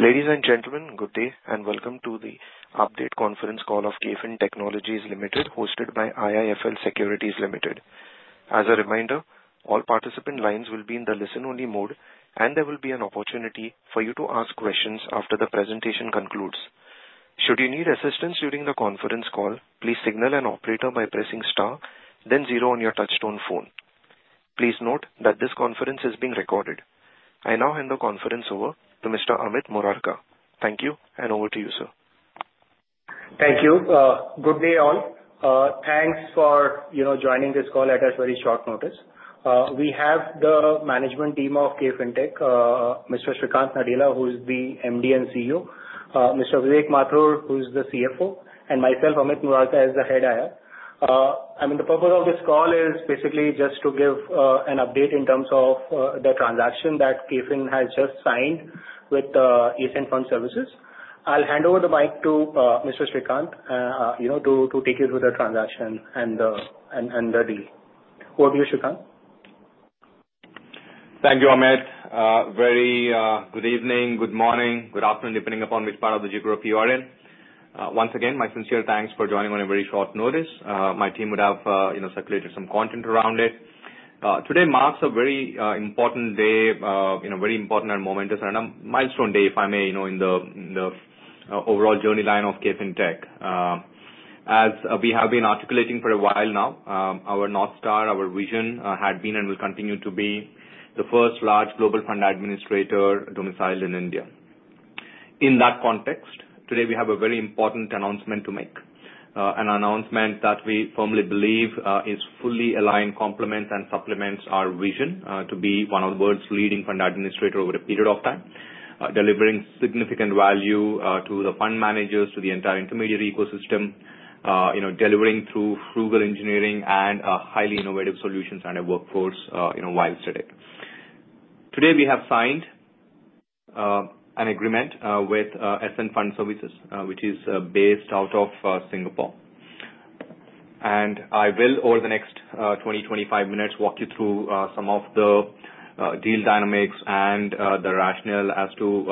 Ladies and gentlemen, good day and welcome to the Update Conference Call of KFin Technologies Limited, hosted by IIFL Securities Limited. As a reminder, all participant lines will be in the listen-only mode, and there will be an opportunity for you to ask questions after the presentation concludes. Should you need assistance during the conference call, please signal an operator by pressing star, then zero on your touch-tone phone. Please note that this conference is being recorded. I now hand the conference over to Mr. Amit Murarka. Thank you, and over to you, sir. Thank you. Good day, all. Thanks for joining this call at such very short notice. We have the management team KFintech, Mr. Sreekanth Nadella, who is the MD and CEO, Mr. Vivek Mathur, who is the CFO, and myself, Amit Murarka, as the Head IR. I mean, the purpose of this call is basically just to give an update in terms of the transaction that KFin has just signed with Ascent Fund Services. I'll hand over the mic to Mr. Sreekanth to take you through the transaction and the deal. Over to you, Sreekanth. Thank you, Amit. Very good evening, good morning, good afternoon, depending upon which part of the geography you are in. Once again, my sincere thanks for joining on a very short notice. My team would have circulated some content around it. Today marks a very important day, very important and momentous, and a milestone day, if I may, in the overall journey line KFintech. As we have been articulating for a while now, our North Star, our vision had been and will continue to be the first large global fund administrator domiciled in India. In that context, today we have a very important announcement to make, an announcement that we firmly believe is fully aligned, complements, and supplements our vision to be one of the world's leading fund administrators over a period of time, delivering significant value to the fund managers, to the entire intermediary ecosystem, delivering through frugal engineering and highly innovative solutions and a workforce while steady. Today we have signed an agreement with Ascent Fund Services, which is based out of Singapore. I will, over the next 20-25 minutes, walk you through some of the deal dynamics and the rationale as to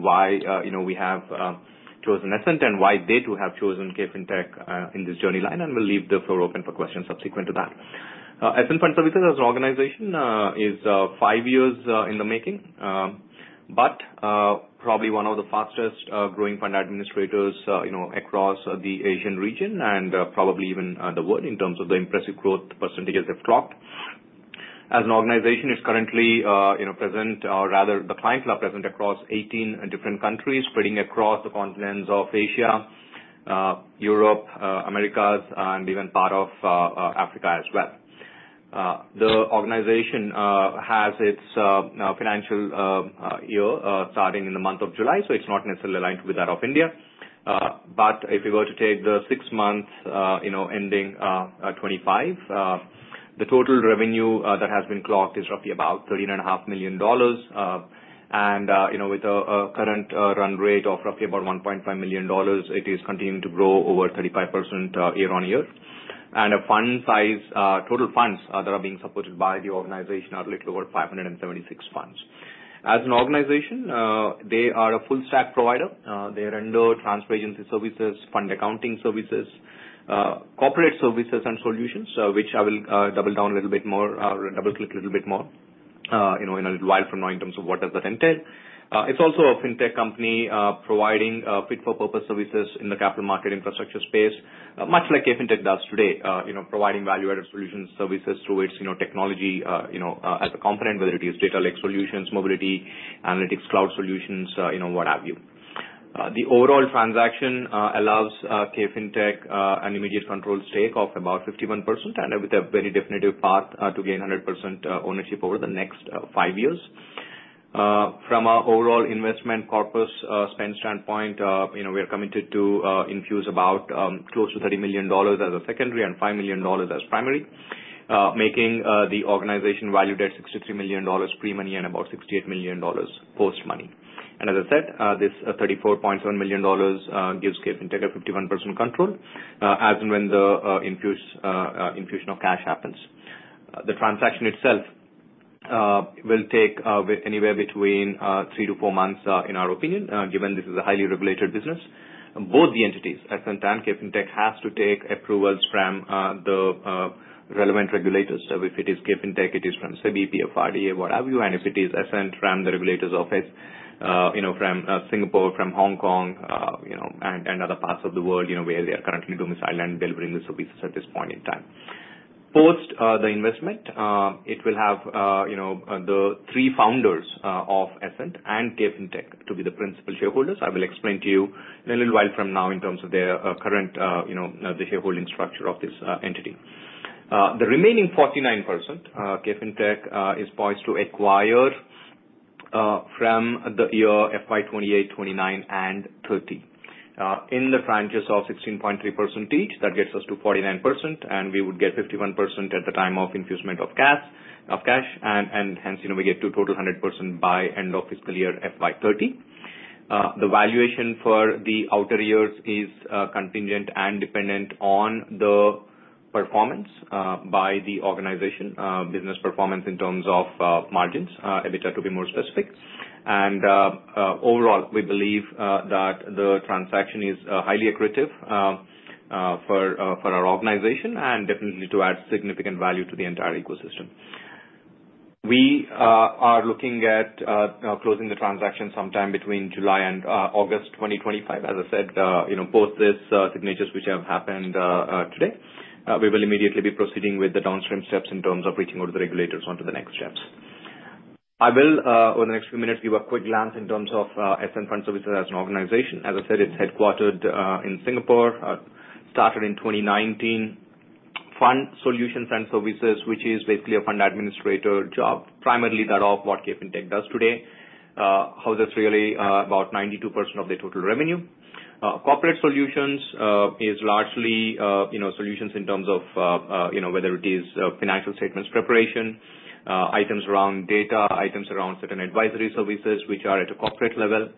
why we have chosen Ascent and why they too have KFintech in this journey line, and we'll leave the floor open for questions subsequent to that. Ascent Fund Services as an organization is five years in the making, but probably one of the fastest growing fund administrators across the Asian region and probably even the world in terms of the impressive growth percentages they've clocked. As an organization, it's currently present, or rather the clients are present across 18 different countries, spreading across the continents of Asia, Europe, Americas, and even part of Africa as well. The organization has its financial year starting in the month of July, so it's not necessarily aligned with that of India. If you were to take the six months ending 2025, the total revenue that has been clocked is roughly about $39.5 million. With a current run rate of roughly about $1.5 million, it is continuing to grow over 35% year on year. The total funds that are being supported by the organization are a little over 576 funds. As an organization, they are a full-stack provider. They render transfer agency services, fund accounting services, corporate services, and solutions, which I will double-click a little bit more in a little while from now in terms of what does that entail. It is also a fintech company providing fit-for-purpose services in the capital market infrastructure space, much KFintech does today, providing value-added solutions, services through its technology as a component, whether it is data lake solutions, mobility, analytics, cloud solutions, what have you. The overall transaction KFintech an immediate control stake of about 51% and with a very definitive path to gain 100% ownership over the next five years. From an overall investment corpus spend standpoint, we are committed to infuse about close to $30 million as a secondary and $5 million as primary, making the organization valued at $63 million pre-money and about $68 million post-money. As I said, this $34.7 million KFintech a 51% control as and when the infusion of cash happens. The transaction itself will take anywhere between three to four months, in our opinion, given this is a highly regulated business. Both the entities, Ascent and KFintech, have to take approvals from the relevant regulators. If it KFintech, it is from SEBI, PFRDA, what have you, and if it is Ascent, from the regulators' office, from Singapore, from Hong Kong, and other parts of the world where they are currently domiciled and delivering the services at this point in time. Post the investment, it will have the three founders of Ascent and KFintech to be the principal shareholders. I will explain to you in a little while from now in terms of their current shareholding structure of this entity. The remaining KFintech is poised to acquire from the year FY 2028, 2029, and 2030. In the franchise of 16.3% each, that gets us to 49%, and we would get 51% at the time of infusement of cash, and hence we get to total 100% by end of fiscal year FY 2030. The valuation for the outer years is contingent and dependent on the performance by the organization, business performance in terms of margins, EBITDA to be more specific. Overall, we believe that the transaction is highly accretive for our organization and definitely to add significant value to the entire ecosystem. We are looking at closing the transaction sometime between July and August 2025. As I said, post these signatures which have happened today, we will immediately be proceeding with the downstream steps in terms of reaching out to the regulators onto the next steps. I will, over the next few minutes, give a quick glance in terms of Ascent Fund Services as an organization. As I said, it's headquartered in Singapore, started in 2019. Fund Solutions and Services, which is basically a fund administrator job, primarily that of KFintech does today, houses really about 92% of the total revenue. Corporate Solutions is largely solutions in terms of whether it is financial statements preparation, items around data, items around certain advisory services which are at a corporate level,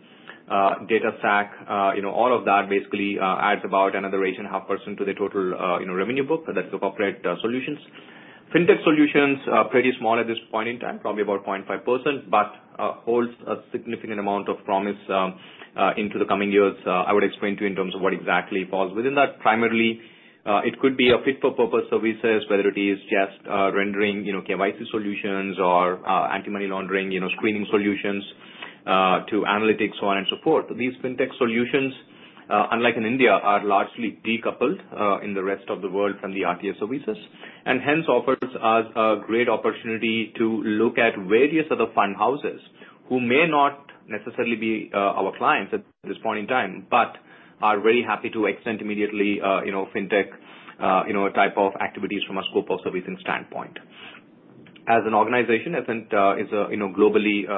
data stack. All of that basically adds about another 8.5% to the total revenue book that is the Corporate Solutions. Fintech Solutions, pretty small at this point in time, probably about 0.5%, but holds a significant amount of promise into the coming years. I would explain to you in terms of what exactly falls within that. Primarily, it could be a fit-for-purpose service, whether it is just rendering KYC solutions or anti-money laundering screening solutions to analytics, so on and so forth. These fintech solutions, unlike in India, are largely decoupled in the rest of the world from the RTA services, and hence offers us a great opportunity to look at various other fund houses who may not necessarily be our clients at this point in time, but are very happy to extend immediately fintech type of activities from a scope of servicing standpoint. As an organization, Ascent is globally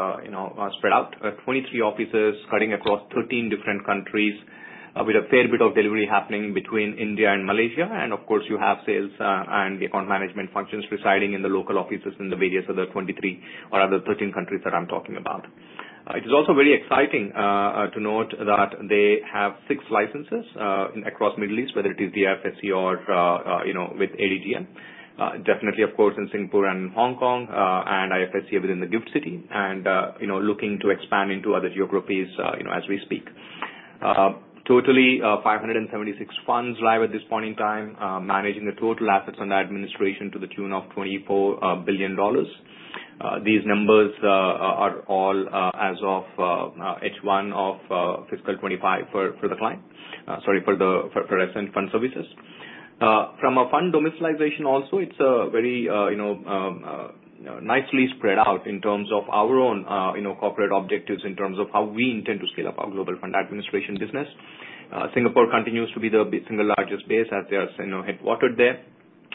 spread out, 23 offices cutting across 13 different countries, with a fair bit of delivery happening between India and Malaysia. Of course, you have sales and the account management functions residing in the local offices in the various other 23 or other 13 countries that I am talking about. It is also very exciting to note that they have six licenses across the Middle East, whether it is DIFC or with ADGM. Definitely, of course, in Singapore and Hong Kong, and IFSC within the GIFT City, and looking to expand into other geographies as we speak. Totally, 576 funds live at this point in time, managing the total assets under administration to the tune of $24 billion. These numbers are all as of H1 of fiscal 2025 for the client, sorry, for Ascent Fund Services. From a fund domicilization also, it is very nicely spread out in terms of our own corporate objectives in terms of how we intend to scale up our global fund administration business. Singapore continues to be the single largest base as they are headquartered there.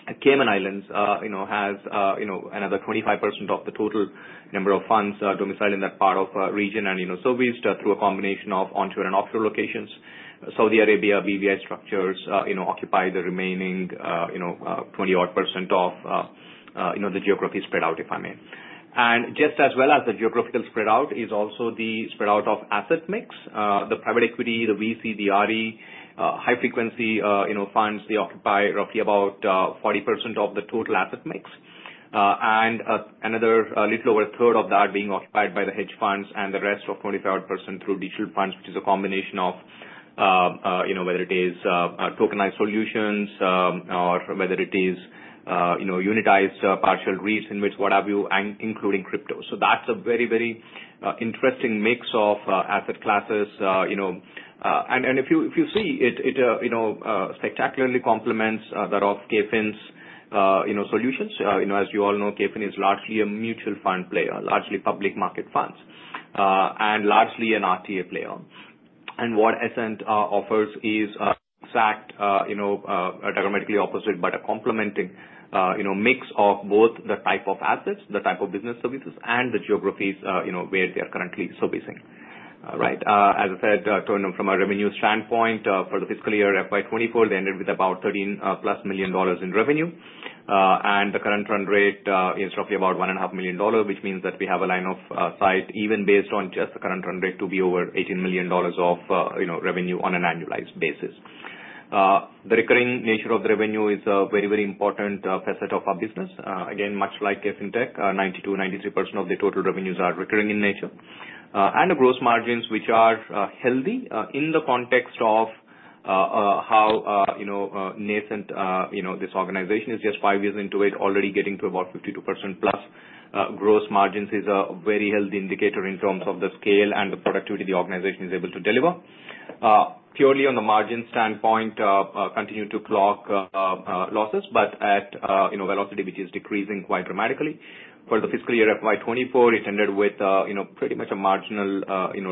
The Cayman Islands has another 25% of the total number of funds domiciled in that part of the region and serviced through a combination of onshore and offshore locations. Saudi Arabia, BVI structures occupy the remaining 20-odd % of the geography spread out, if I may. Just as well as the geographical spread out is also the spread out of asset mix. The private equity, the VC, the RE, high-frequency funds, they occupy roughly about 40% of the total asset mix. Another little over 1/3 of that being occupied by the hedge funds and the rest of 25% through digital funds, which is a combination of whether it is tokenized solutions or whether it is unitized partial REITs and what have you, including crypto. That is a very, very interesting mix of asset classes. If you see, it spectacularly complements that of KFin's solutions. As you all know, KFin is largely a mutual fund player, largely public market funds, and largely an RTA player. What Ascent offers is exact diagrammatically opposite, but a complementing mix of both the type of assets, the type of business services, and the geographies where they are currently servicing. Right? As I said, from a revenue standpoint, for the fiscal year FY 2024, they ended with about $13+ million in revenue. The current run rate is roughly about $1.5 million, which means that we have a line of sight, even based on just the current run rate, to be over $18 million of revenue on an annualized basis. The recurring nature of the revenue is a very, very important facet of our business. Again, much KFintech, 92%-93% of the total revenues are recurring in nature. The gross margins, which are healthy in the context of how nascent this organization is, just five years into it, already getting to about 52%+ gross margins is a very healthy indicator in terms of the scale and the productivity the organization is able to deliver. Purely on the margin standpoint, continue to clock losses, but at a velocity which is decreasing quite dramatically. For the fiscal year FY 2024, it ended with pretty much a marginal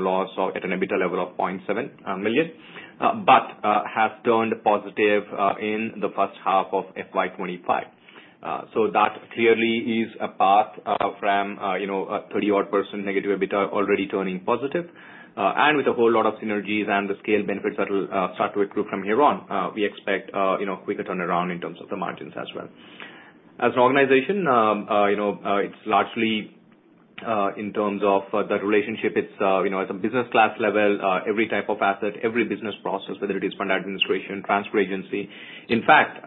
loss at an EBITDA level of $0.7 million, but has turned positive in the first half of fiscal year 2025. That clearly is a path from 30-odd% negative EBITDA already turning positive. With a whole lot of synergies and the scale benefits that will start to accrue from here on, we expect a quicker turnaround in terms of the margins as well. As an organization, it is largely in terms of the relationship. It is at a business class level, every type of asset, every business process, whether it is fund administration, transfer agency. In fact,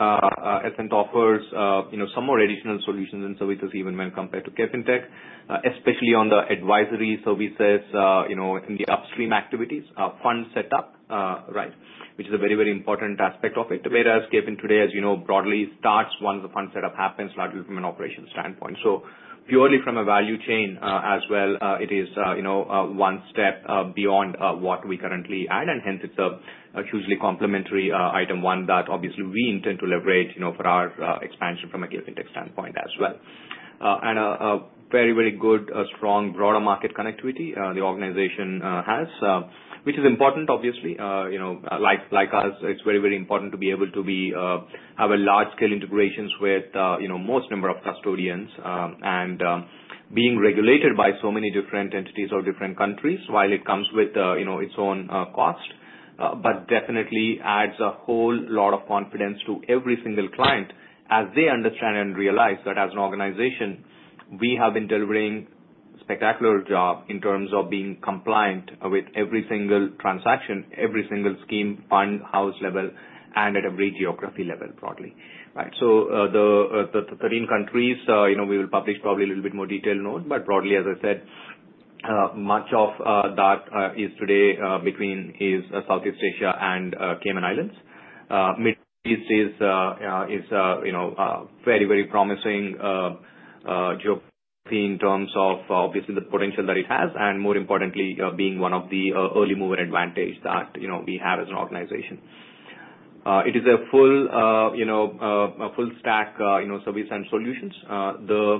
Ascent offers some more additional solutions and services even when compared KFintech, especially on the advisory services in the upstream activities, fund setup, right, which is a very, very important aspect of it. KFintech today, as you know, broadly starts once the fund setup happens, largely from an operations standpoint. Purely from a value chain as well, it is one step beyond what we currently add, and hence it's a hugely complementary item, one that obviously we intend to leverage for our expansion from KFintech standpoint as well. A very, very good, strong broader market connectivity the organization has, which is important, obviously. Like us, it's very, very important to be able to have large-scale integrations with most number of custodians and being regulated by so many different entities of different countries, while it comes with its own cost, but definitely adds a whole lot of confidence to every single client as they understand and realize that as an organization, we have been delivering a spectacular job in terms of being compliant with every single transaction, every single scheme, fund, house level, and at every geography level broadly. Right? The 13 countries, we will publish probably a little bit more detailed note, but broadly, as I said, much of that is today between Southeast Asia and Cayman Islands. Middle East is a very, very promising geography in terms of obviously the potential that it has and, more importantly, being one of the early mover advantages that we have as an organization. It is a full-stack service and solutions. The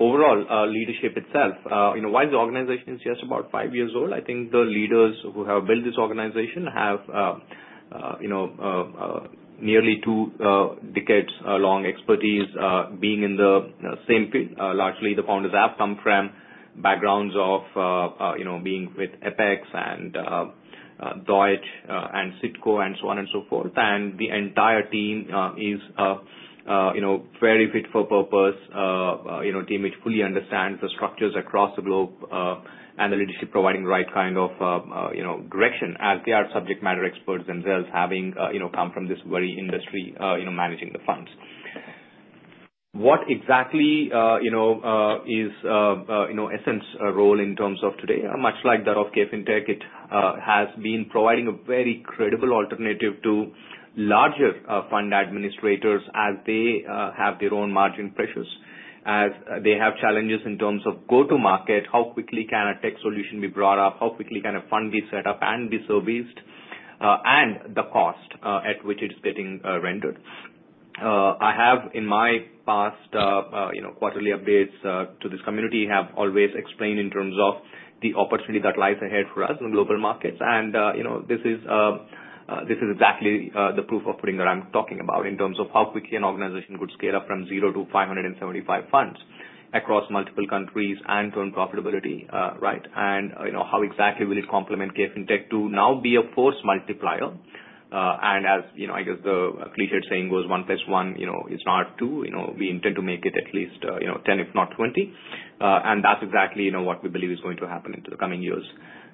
overall leadership itself, while the organization is just about five years old, I think the leaders who have built this organization have nearly two decades-long expertise being in the same field. Largely, the founders have come from backgrounds of being with Apex and Deutsche and Citco and so on and so forth. The entire team is very fit-for-purpose team, which fully understands the structures across the globe and the leadership providing the right kind of direction as they are subject matter experts themselves having come from this very industry managing the funds. What exactly is Ascent's role in terms of today? Much like that KFintech, it has been providing a very credible alternative to larger fund administrators as they have their own margin pressures, as they have challenges in terms of go-to-market, how quickly can a tech solution be brought up, how quickly can a fund be set up and be serviced, and the cost at which it is getting rendered. I have, in my past quarterly updates to this community, always explained in terms of the opportunity that lies ahead for us in global markets. This is exactly the proof of pudding that I'm talking about in terms of how quickly an organization could scale up from zero to 575 funds across multiple countries and turn profitability, right? How exactly will it KFintech to now be a force multiplier? As I guess the cliched saying goes, one plus one is not two. We intend to make it at least 10, if not 20. That is exactly what we believe is going to happen in the coming years.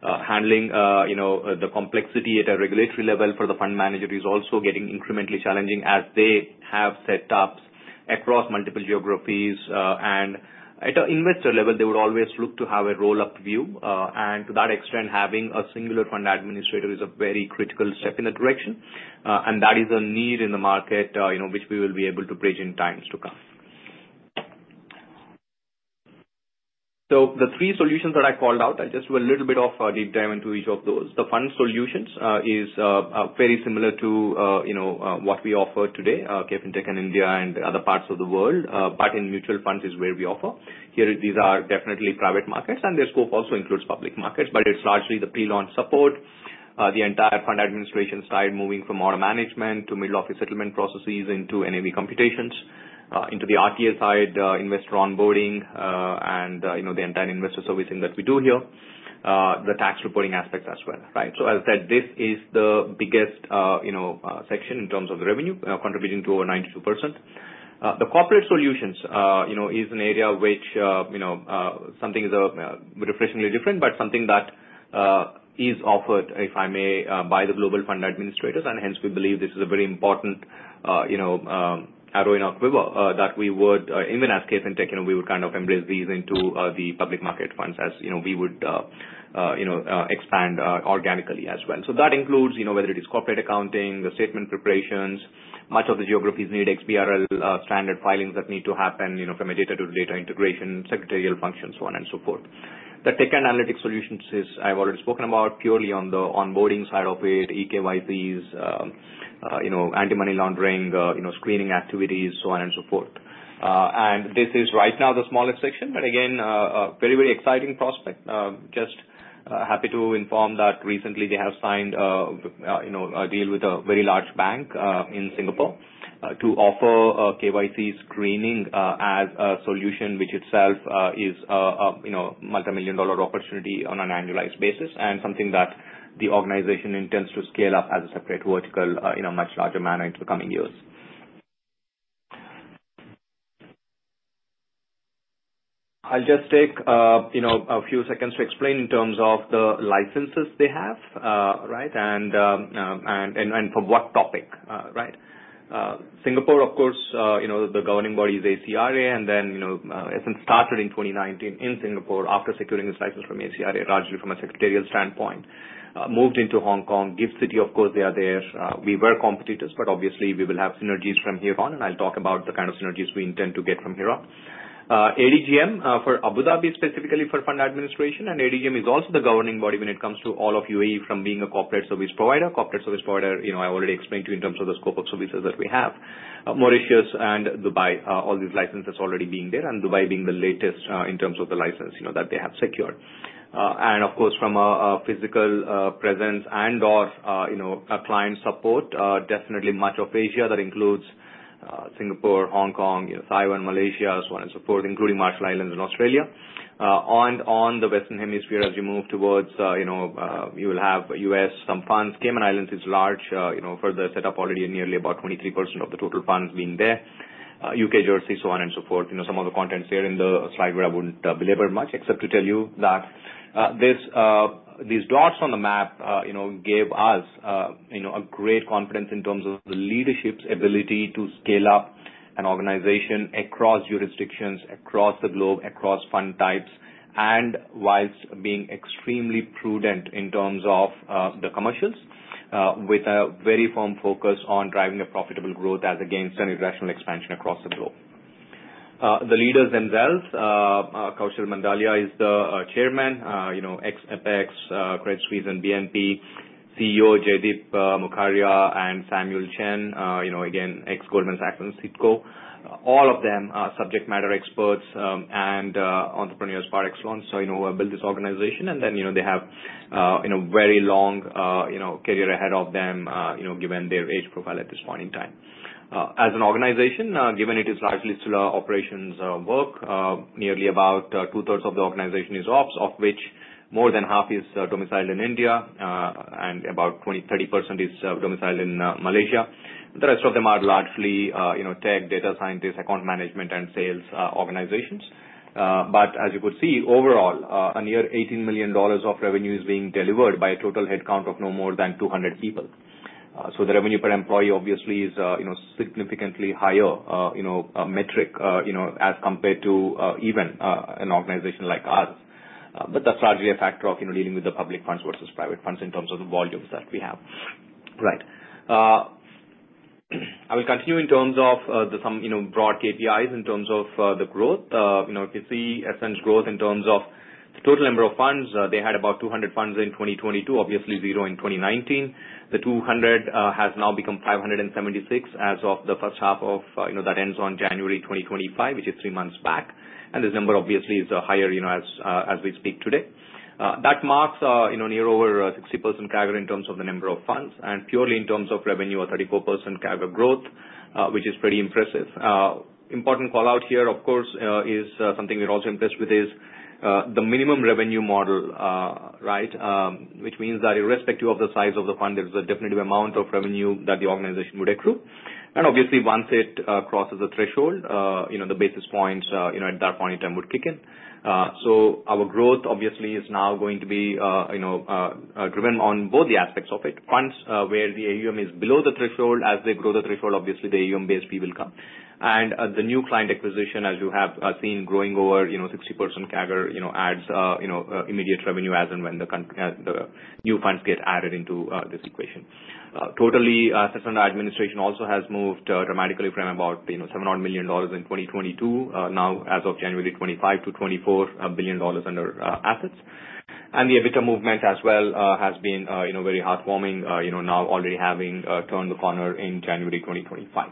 Handling the complexity at a regulatory level for the fund manager is also getting incrementally challenging as they have setups across multiple geographies. At an investor level, they would always look to have a roll-up view. To that extent, having a singular fund administrator is a very critical step in the direction. That is a need in the market which we will be able to bridge in times to come. The three solutions that I called out, I'll just do a little bit of a deep dive into each of those. The fund solutions is very similar to what we offer KFintech in India and other parts of the world, but in mutual funds is where we offer. These are definitely private markets, and their scope also includes public markets, but it's largely the pre-launch support, the entire fund administration side moving from order management to middle office settlement processes into NAV computations, into the RTA side, investor onboarding, and the entire investor servicing that we do here, the tax reporting aspects as well. Right? As I said, this is the biggest section in terms of the revenue, contributing to over 92%. The Corporate Solutions is an area which something is refreshingly different, but something that is offered, if I may, by the global fund administrators. Hence, we believe this is a very important arrow in our quiver that we would, even KFintech, we would kind of embrace these into the public market funds as we would expand organically as well. That includes whether it is corporate accounting, the statement preparations, much of the geographies need XBRL standard filings that need to happen from a data-to-data integration, secretarial functions, so on and so forth. The tech and analytic solutions is I've already spoken about purely on the onboarding side of it, eKYCs, anti-money laundering, screening activities, so on and so forth. This is right now the smallest section, but again, a very, very exciting prospect. Just happy to inform that recently they have signed a deal with a very large bank in Singapore to offer KYC screening as a solution, which itself is a multi-million dollar opportunity on an annualized basis and something that the organization intends to scale up as a separate vertical in a much larger manner into the coming years. I'll just take a few seconds to explain in terms of the licenses they have, right, and for what topic, right? Singapore, of course, the governing body is ACRA, and then Ascent started in 2019 in Singapore after securing its license from ACRA, largely from a secretarial standpoint, moved into Hong Kong, GIFT City, of course, they are there. We were competitors, but obviously we will have synergies from here on, and I'll talk about the kind of synergies we intend to get from here on. ADGM for Abu Dhabi, specifically for fund administration, and ADGM is also the governing body when it comes to all of UAE from being a corporate service provider. Corporate service provider, I already explained to you in terms of the scope of services that we have. Mauritius and Dubai, all these licenses already being there, and Dubai being the latest in terms of the license that they have secured. Of course, from a physical presence and/or client support, definitely much of Asia that includes Singapore, Hong Kong, Taiwan, Malaysia, so on and so forth, including Marshall Islands and Australia. On the Western Hemisphere, as you move towards, you will have U.S., some funds. Cayman Islands is large for the setup already in nearly about 23% of the total funds being there. U.K., Jersey, so on and so forth. Some of the contents here in the slide where I would not belabor much except to tell you that these dots on the map gave us great confidence in terms of the leadership's ability to scale up an organization across jurisdictions, across the globe, across fund types, and whilst being extremely prudent in terms of the commercials with a very firm focus on driving a profitable growth as against an irrational expansion across the globe. The leaders themselves, Kaushal Mandalia is the Chairman, ex-Apex, Credit Suisse and BNP, CEO Jaideep Mukhariya and Samuel Chen, again, ex-Goldman Sachs and Citco. All of them are subject matter experts and entrepreneurs par excellence. I know who have built this organization, and then they have a very long career ahead of them given their age profile at this point in time. As an organization, given it is largely still operations work, nearly about 2/3 of the organization is ops, of which more than half is domiciled in India and about 20%-30% is domiciled in Malaysia. The rest of them are largely tech, data scientists, account management, and sales organizations. As you could see, overall, a near $18 million of revenue is being delivered by a total headcount of no more than 200 people. The revenue per employee obviously is a significantly higher metric as compared to even an organization like ours. That is largely a factor of dealing with the public funds versus private funds in terms of the volumes that we have. Right. I will continue in terms of some broad KPIs in terms of the growth. You can see Ascent's growth in terms of the total number of funds. They had about 200 funds in 2022, obviously zero in 2019. The 200 has now become 576 as of the first half of that ends on January 2025, which is three months back. This number obviously is higher as we speak today. That marks a near over 60% CAGR in terms of the number of funds and purely in terms of revenue, a 34% CAGR growth, which is pretty impressive. Important callout here, of course, is something we're also impressed with is the minimum revenue model, right, which means that irrespective of the size of the fund, there is a definitive amount of revenue that the organization would accrue. Obviously, once it crosses a threshold, the basis points at that point in time would kick in. Our growth obviously is now going to be driven on both the aspects of it. Funds where the AUM is below the threshold, as they grow the threshold, obviously the AUM base fee will come. The new client acquisition, as you have seen, growing over 60% CAGR adds immediate revenue as and when the new funds get added into this equation. Totally, assets under administration also has moved dramatically from about $700 million in 2022, now as of January 2025 to $24 billion under assets. The EBITDA movement as well has been very heartwarming, now already having turned the corner in January 2025.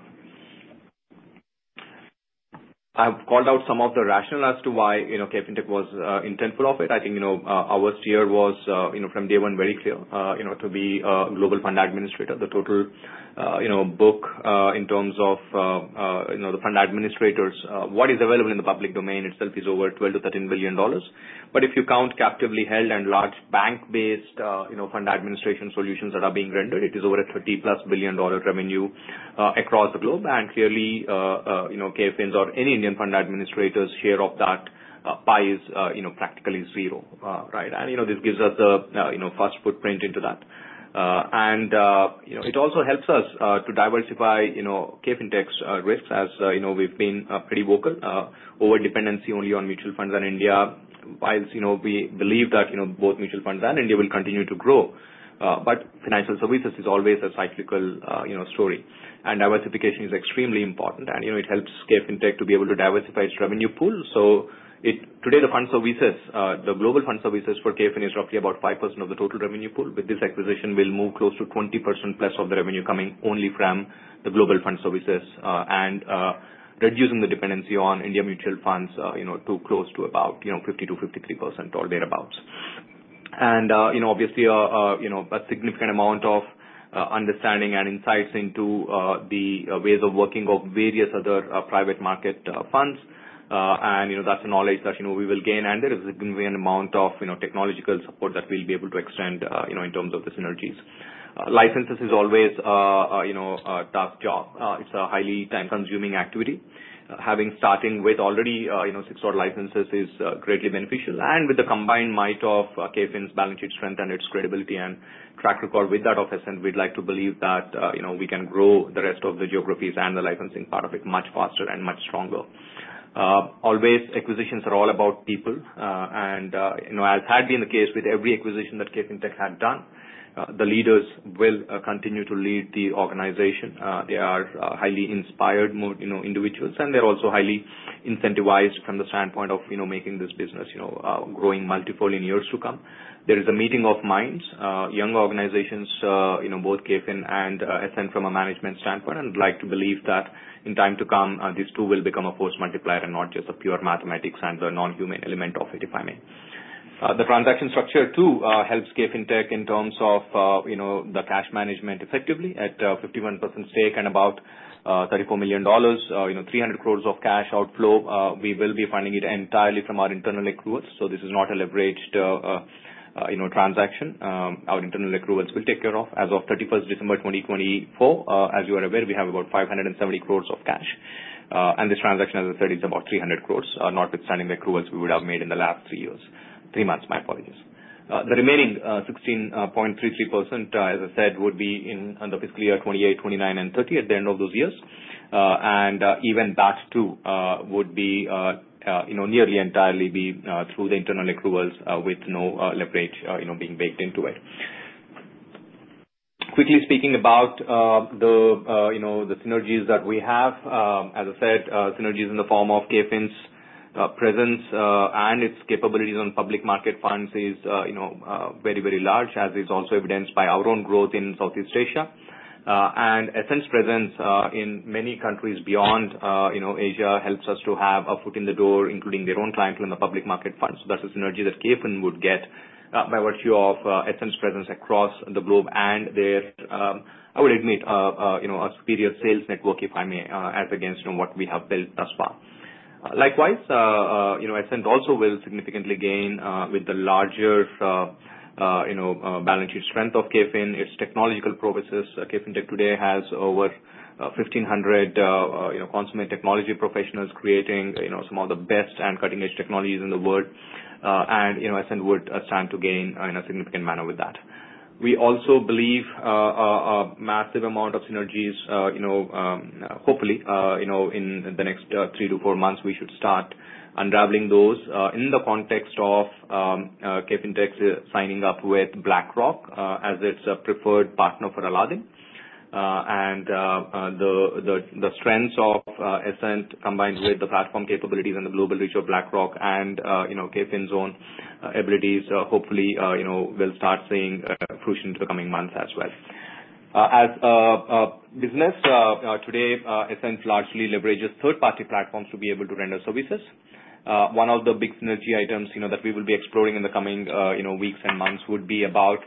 I have called out some of the rationale as to KFintech was intentful of it. I think our steer was from day one very clear to be a global fund administrator. The total book in terms of the fund administrators, what is available in the public domain itself is over $12 billion-$13 billion. If you count captively held and large bank-based fund administration solutions that are being rendered, it is over a $30+ billion revenue across the globe. Clearly, KFin's or any Indian fund administrator's share of that pie is practically zero, right? This gives us the first footprint into that. It also helps us to KFintech's risks as we've been pretty vocal over dependency only on mutual funds and India, while we believe that both mutual funds and India will continue to grow. Financial services is always a cyclical story. Diversification is extremely important, and it KFintech to be able to diversify its revenue pool. Today, the Global Fund Services for KFin is roughly about 5% of the total revenue pool. With this acquisition, we'll move close to 20%+ of the revenue coming only from the Global Fund Services and reducing the dependency on India mutual funds to close to about 50%-53% or thereabouts. Obviously, a significant amount of understanding and insights into the ways of working of various other private market funds. That's the knowledge that we will gain. There is a significant amount of technological support that we'll be able to extend in terms of the synergies. Licenses is always a tough job. It's a highly time-consuming activity. Having starting with already six-odd licenses is greatly beneficial. With the combined might of KFin's balance sheet strength and its credibility and track record with that of Ascent, we'd like to believe that we can grow the rest of the geographies and the licensing part of it much faster and much stronger. Always, acquisitions are all about people. As had been the case with every acquisition KFintech had done, the leaders will continue to lead the organization. They are highly inspired individuals, and they're also highly incentivized from the standpoint of making this business growing multiple in years to come. There is a meeting of minds, young organizations, both KFin and Ascent from a management standpoint, and I'd like to believe that in time to come, these two will become a force multiplier and not just a pure mathematics and the non-human element of it, if I may. The transaction structure too KFintech in terms of the cash management effectively at 51% stake and about $34 million, 300 crores of cash outflow. We will be funding it entirely from our internal accruals. This is not a leveraged transaction. Our internal accruals will take care of. As of 31st December 2024, as you are aware, we have about 570 crores of cash. This transaction, as I said, is about 300 crores, notwithstanding the accruals we would have made in the last three months, my apologies. The remaining 16.33%, as I said, would be in the fiscal year 2028, 2029, and 2030 at the end of those years. Even that too would nearly entirely be through the internal accruals with no leverage being baked into it. Quickly speaking about the synergies that we have, as I said, synergies in the form of KFin's presence and its capabilities on public market funds is very, very large, as is also evidenced by our own growth in Southeast Asia. Ascent's presence in many countries beyond Asia helps us to have a foot in the door, including their own clientele in the public market funds. That's a synergy that KFin would get by virtue of Ascent's presence across the globe and their, I would admit, a superior sales network, if I may, as against what we have built thus far. Likewise, Ascent also will significantly gain with the larger balance sheet strength of KFin. For its technological KFintech today has over 1,500 consummate technology professionals creating some of the best and cutting-edge technologies in the world. Ascent would stand to gain in a significant manner with that. We also believe a massive amount of synergies. Hopefully, in the next three to four months, we should start unraveling those in the context KFintech signing up with BlackRock as its preferred partner for Aladdin. The strengths of Ascent combined with the platform capabilities and the global reach of BlackRock and KFin's own abilities hopefully will start seeing a crucial impact in the coming months as well. As a business, today, Ascent largely leverages third-party platforms to be able to render services. One of the big synergy items that we will be exploring in the coming weeks and months would be about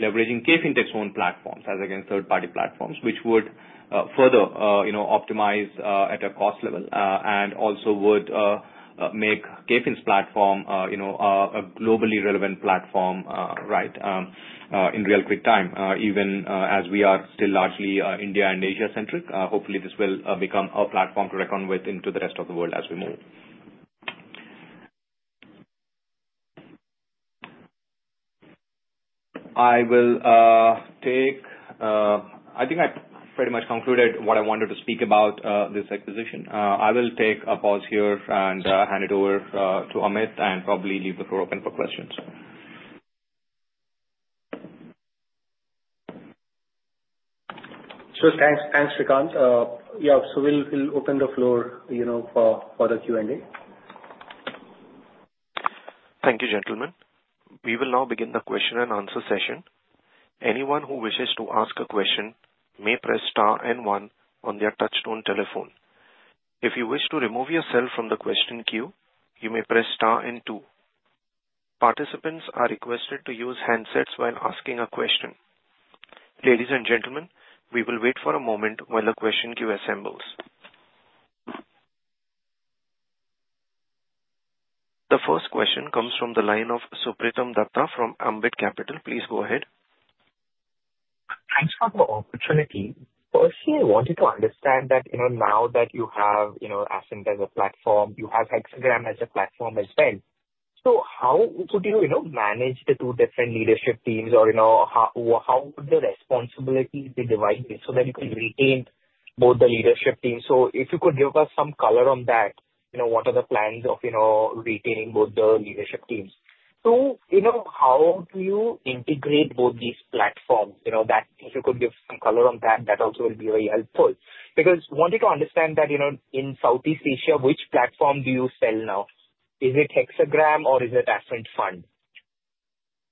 KFintech's own platforms as against third-party platforms, which would further optimize at a cost level and also would make KFin's platform a globally relevant platform, right, in real quick time, even as we are still largely India and Asia-centric. Hopefully, this will become a platform to reckon with into the rest of the world as we move. I think I pretty much concluded what I wanted to speak about this acquisition. I will take a pause here and hand it over to Amit and probably leave the floor open for questions. Sure. Thanks, Sreekanth. Yeah. We will open the floor for the Q&A. Thank you, gentlemen. We will now begin the question and answer session. Anyone who wishes to ask a question may press star and one on their touch-tone telephone. If you wish to remove yourself from the question queue, you may press star and two. Participants are requested to use handsets while asking a question. Ladies and gentlemen, we will wait for a moment while the question queue assembles. The first question comes from the line of Supratim Datta from Ambit Capital. Please go ahead. Thanks for the opportunity. Firstly, I wanted to understand that now that you have Ascent as a platform, you have Hexagram as a platform as well. How would you manage the two different leadership teams or how would the responsibilities be divided so that you can retain both the leadership teams? If you could give us some color on that, what are the plans of retaining both the leadership teams? How do you integrate both these platforms? If you could give some color on that, that also will be very helpful. I wanted to understand that in Southeast Asia, which platform do you sell now? Is it Hexagram or is it Ascent Fund?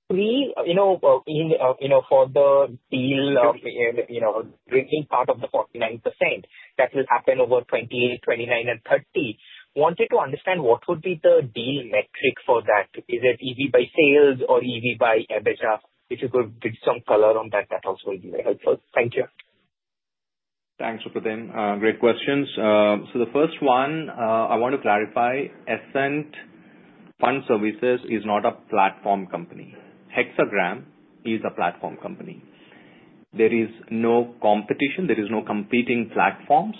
Three, for the deal of tranching part of the 49%, that will happen over 2028, 2029, and 2030. I wanted to understand what would be the deal metric for that? Is it EV by sales or EV by EBITDA? If you could give some color on that, that also would be very helpful. Thank you. Thanks, Supratim. Great questions. The first one, I want to clarify. Ascent Fund Services is not a platform company. Hexagram is a platform company. There is no competition. There are no competing platforms.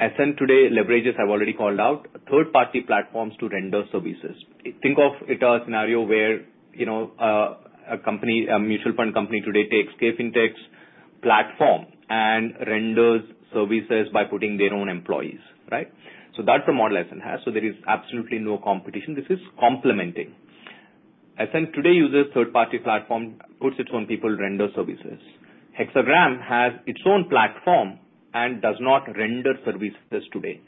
Ascent today leverages, I have already called out, third-party platforms to render services. Think of it as a scenario where a mutual fund company today KFintech's platform and renders services by putting their own employees, right? That is the model Ascent has. There is absolutely no competition. This is complementing. Ascent today uses third-party platform, puts its own people, renders services. Hexagram has its own platform and does not render services today.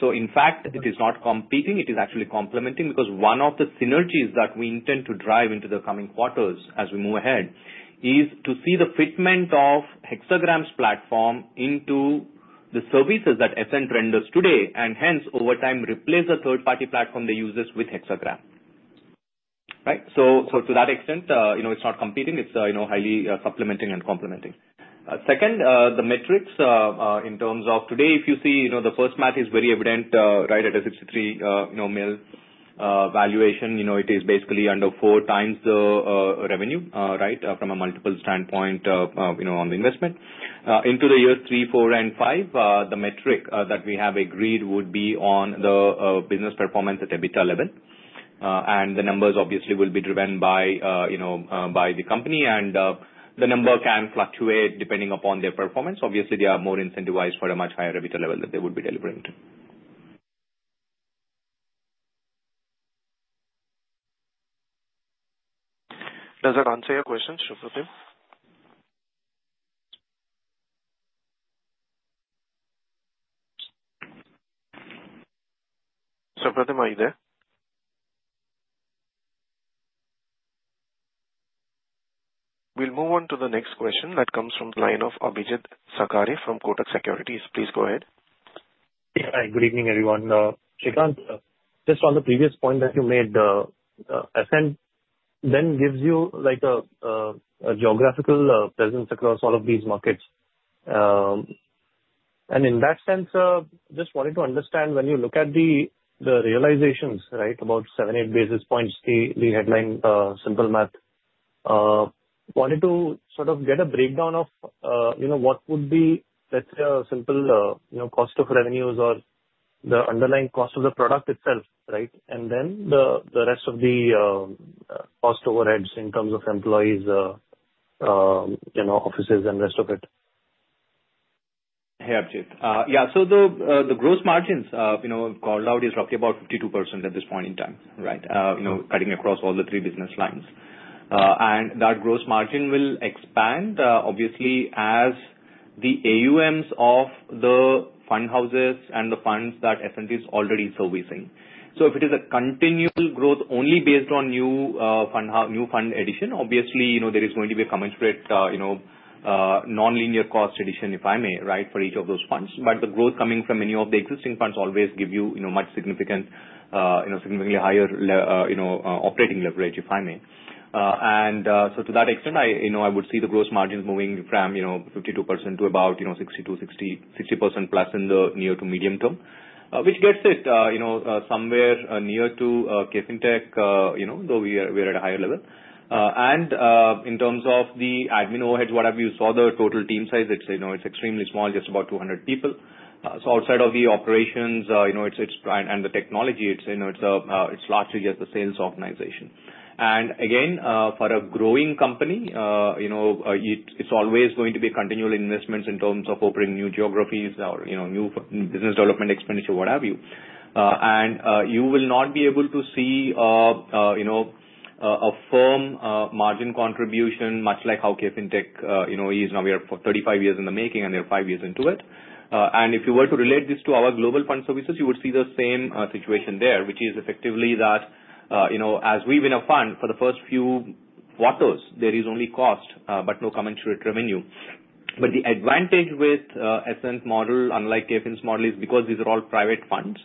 In fact, it is not competing. It is actually complementing because one of the synergies that we intend to drive into the coming quarters as we move ahead is to see the fitment of Hexagram's platform into the services that Ascent renders today and hence over time replace the third-party platform they use with Hexagram. Right? To that extent, it's not competing. It's highly supplementing and complementing. Second, the metrics in terms of today, if you see the first math is very evident, right, at a $63 million valuation. It is basically under four times the revenue, right, from a multiple standpoint on the investment. Into the year three, four, and five, the metric that we have agreed would be on the business performance at EBITDA level. The numbers obviously will be driven by the company. The number can fluctuate depending upon their performance. Obviously, they are more incentivized for a much higher EBITDA level that they would be delivering to. Does that answer your question, Supratim? Supratim, are you there? We'll move on to the next question that comes from the line of Abhijeet Sakhare from Kotak Securities. Please go ahead. Hi. Good evening, everyone. Sreekanth, just on the previous point that you made, Ascent then gives you a geographical presence across all of these markets. In that sense, just wanted to understand when you look at the realizations, right, about seven-eight basis points, the headline, simple math. Wanted to sort of get a breakdown of what would be, let's say, a simple cost of revenues or the underlying cost of the product itself, right? And then the rest of the cost overheads in terms of employees, offices, and the rest of it. Abhijeet. Yeah. The gross margins called out is roughly about 52% at this point in time, right, cutting across all the three business lines. That gross margin will expand, obviously, as the AUMs of the fund houses and the funds that Ascent is already servicing. If it is a continual growth only based on new fund addition, obviously, there is going to be a commensurate nonlinear cost addition, if I may, right, for each of those funds. The growth coming from any of the existing funds always gives you much significantly higher operating leverage, if I may. To that extent, I would see the gross margins moving from 52% to about 60%+ in the near to medium term, which gets it somewhere near KFintech, though we are at a higher level. In terms of the admin overhead, what have you saw the total team size? It's extremely small, just about 200 people. Outside of the operations and the technology, it's largely just the sales organization. For a growing company, it's always going to be a continual investment in terms of operating new geographies or new business development expenditure, what have you. You will not be able to see a firm margin contribution much like KFintech is. Now, we are 35 years in the making, and they're five years into it. If you were to relate this to our Global Fund Services, you would see the same situation there, which is effectively that as we win a fund for the first few quarters, there is only cost but no commensurate revenue. The advantage with Ascent's model, unlike KFin's model, is because these are all private funds,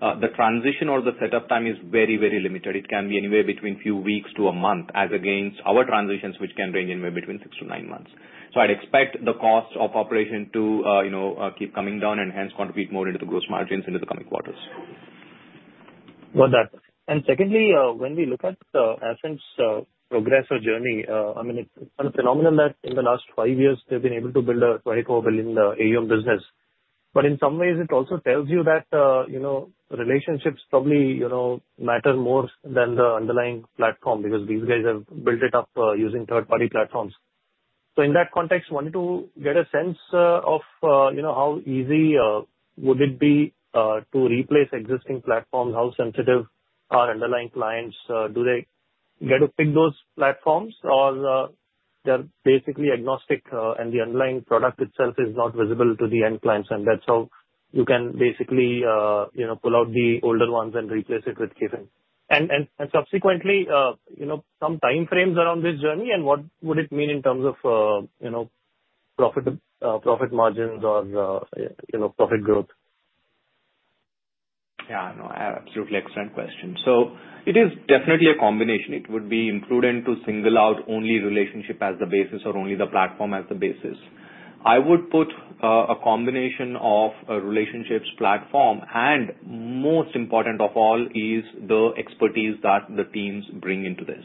the transition or the setup time is very, very limited. It can be anywhere between a few weeks to a month, as against our transitions, which can range anywhere between six to nine months. I expect the cost of operation to keep coming down and hence contribute more into the gross margins into the coming quarters. Well done. Secondly, when we look at Ascent's progressive journey, I mean, it's a phenomenon that in the last five years, they've been able to build a very core billion AUM business. In some ways, it also tells you that relationships probably matter more than the underlying platform because these guys have built it up using third-party platforms. In that context, wanted to get a sense of how easy would it be to replace existing platforms, how sensitive are underlying clients? Do they get to pick those platforms, or they're basically agnostic, and the underlying product itself is not visible to the end clients? That's how you can basically pull out the older ones and replace it with KFin. Subsequently, some time frames around this journey and what would it mean in terms of profit margins or profit growth? Yeah. Absolutely excellent question. It is definitely a combination. It would be prudent to single out only relationship as the basis or only the platform as the basis. I would put a combination of relationships, platform, and most important of all, is the expertise that the teams bring into this,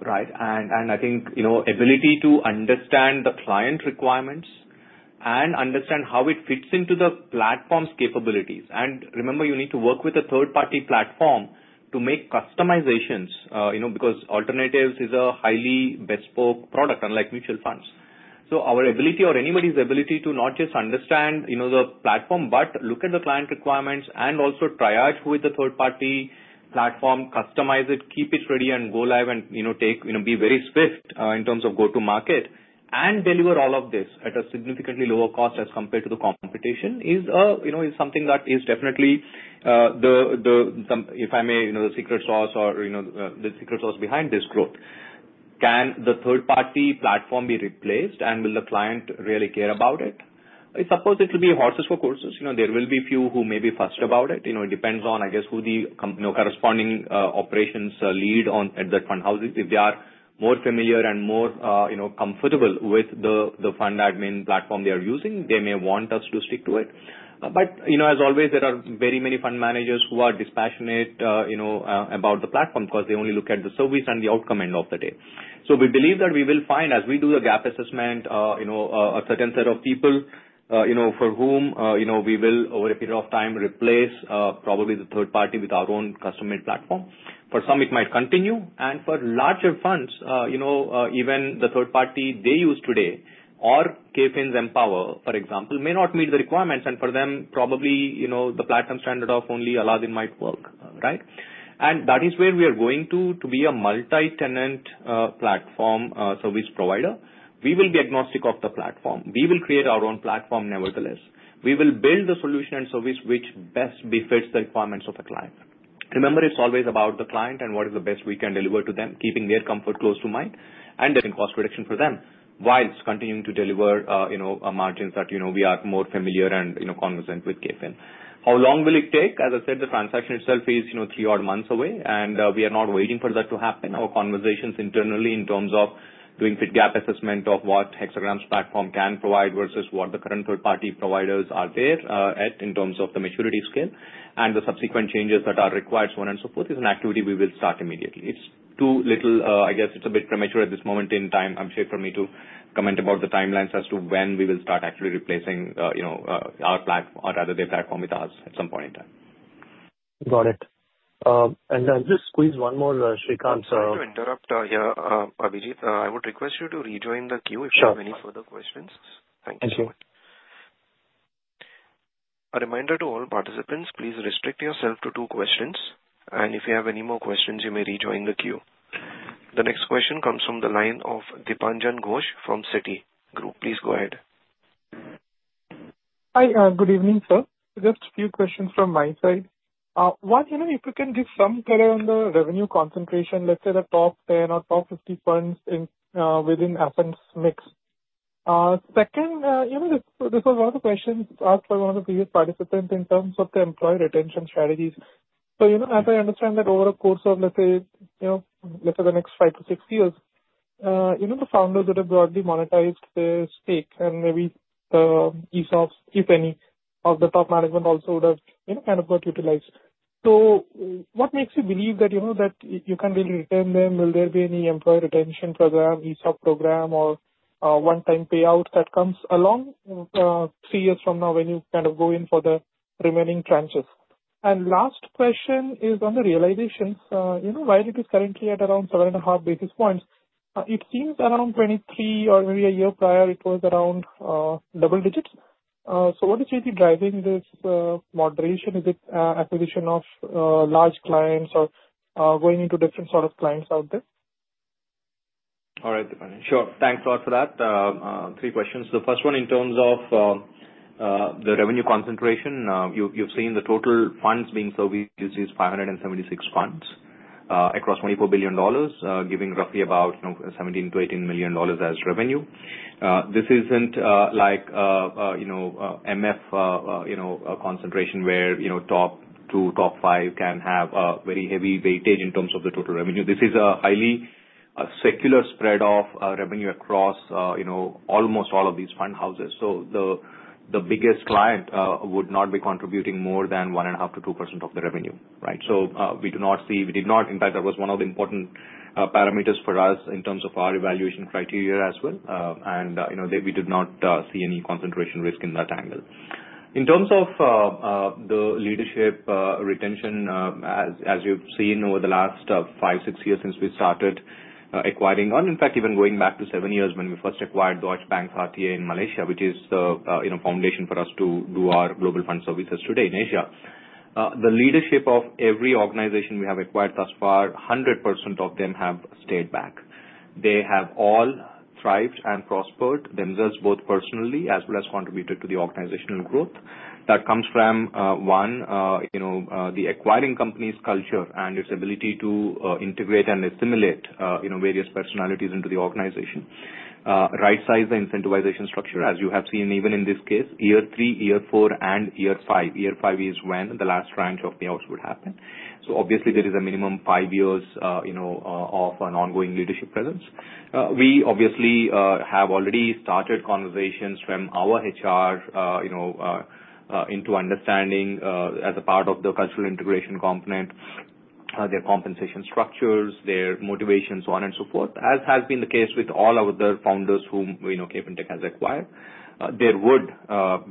right? I think ability to understand the client requirements and understand how it fits into the platform's capabilities. Remember, you need to work with a third-party platform to make customizations because alternatives is a highly bespoke product, unlike mutual funds. Our ability or anybody's ability to not just understand the platform, but look at the client requirements and also triage who is the third-party platform, customize it, keep it ready, and go live and be very swift in terms of go-to-market and deliver all of this at a significantly lower cost as compared to the competition is something that is definitely, if I may, the secret sauce or the secret sauce behind this growth. Can the third-party platform be replaced, and will the client really care about it? I suppose it will be horses for courses. There will be a few who may be fussed about it. It depends on, I guess, who the corresponding operations lead at the fund houses. If they are more familiar and more comfortable with the fund admin platform they are using, they may want us to stick to it. As always, there are very many fund managers who are dispassionate about the platform because they only look at the service and the outcome end of the day. We believe that we will find, as we do the gap assessment, a certain set of people for whom we will, over a period of time, replace probably the third party with our own custom-made platform. For some, it might continue. For larger funds, even the third party they use today or KFin's mPower, for example, may not meet the requirements. For them, probably the platform standard of only Aladdin might work, right? That is where we are going to be a multi-tenant platform service provider. We will be agnostic of the platform. We will create our own platform nevertheless. We will build the solution and service which best befits the requirements of the client. Remember, it's always about the client and what is the best we can deliver to them, keeping their comfort close to mind and cost reduction for them while continuing to deliver margins that we are more familiar and conversant with at KFin. How long will it take? As I said, the transaction itself is three odd months away, and we are not waiting for that to happen. Our conversations internally in terms of doing fit gap assessment of what Hexagram's platform can provide versus what the current third-party providers are there at in terms of the maturity scale and the subsequent changes that are required, so on and so forth, is an activity we will start immediately. It's too little. I guess it's a bit premature at this moment in time, I'm sure, for me to comment about the timelines as to when we will start actually replacing our platform or rather their platform with us at some point in time. Got it. Just squeeze one more, Sreekanth. Sorry to interrupt here, Abhijeet. I would request you to rejoin the queue if you have any further questions. Thank you. A reminder to all participants, please restrict yourself to two questions. If you have any more questions, you may rejoin the queue. The next question comes from the line of Dipanjan Ghosh from Citigroup. Please go ahead. Hi. Good evening, sir. Just a few questions from my side. One, if you can give some color on the revenue concentration, let's say the top 10 or top 50 funds within Ascent's mix. Second, this was one of the questions asked by one of the previous participants in terms of the employee retention strategies. As I understand that over a course of, let's say, the next five to six years, the founders would have broadly monetized their stake, and maybe the ESOPs, if any, of the top management also would have kind of got utilized. What makes you believe that you can really retain them? Will there be any employee retention program, ESOP program, or one-time payout that comes along three years from now when you kind of go in for the remaining tranches? Last question is on the realizations. While it is currently at around seven and a half basis points, it seems around 2023 or maybe a year prior, it was around double digits. What is really driving this moderation? Is it acquisition of large clients or going into different sort of clients out there? All right, Dipanjan. Sure. Thanks a lot for that. Three questions. The first one, in terms of the revenue concentration, you've seen the total funds being serviced is 576 funds across $24 billion, giving roughly about $17-$18 million as revenue. This isn't like MF concentration where top two, top five can have a very heavy weightage in terms of the total revenue. This is a highly circular spread of revenue across almost all of these fund houses. The biggest client would not be contributing more than 1.5%-2% of the revenue, right? We did not see, in fact, that was one of the important parameters for us in terms of our evaluation criteria as well. We did not see any concentration risk in that angle. In terms of the leadership retention, as you've seen over the last five, six years since we started acquiring, and in fact, even going back to seven years when we first acquired Deutsche Bank's RTA in Malaysia, which is the foundation for us to do our Global Fund Services today in Asia, the leadership of every organization we have acquired thus far, 100% of them have stayed back. They have all thrived and prospered themselves, both personally as well as contributed to the organizational growth. That comes from, one, the acquiring company's culture and its ability to integrate and assimilate various personalities into the organization, right-size the incentivization structure, as you have seen even in this case, year three, year four, and year five. Year five is when the last tranche of payouts would happen. Obviously, there is a minimum five years of an ongoing leadership presence. We obviously have already started conversations from our HR into understanding as a part of the cultural integration component, their compensation structures, their motivations, so on and so forth, as has been the case with all of the founders KFintech has acquired. There would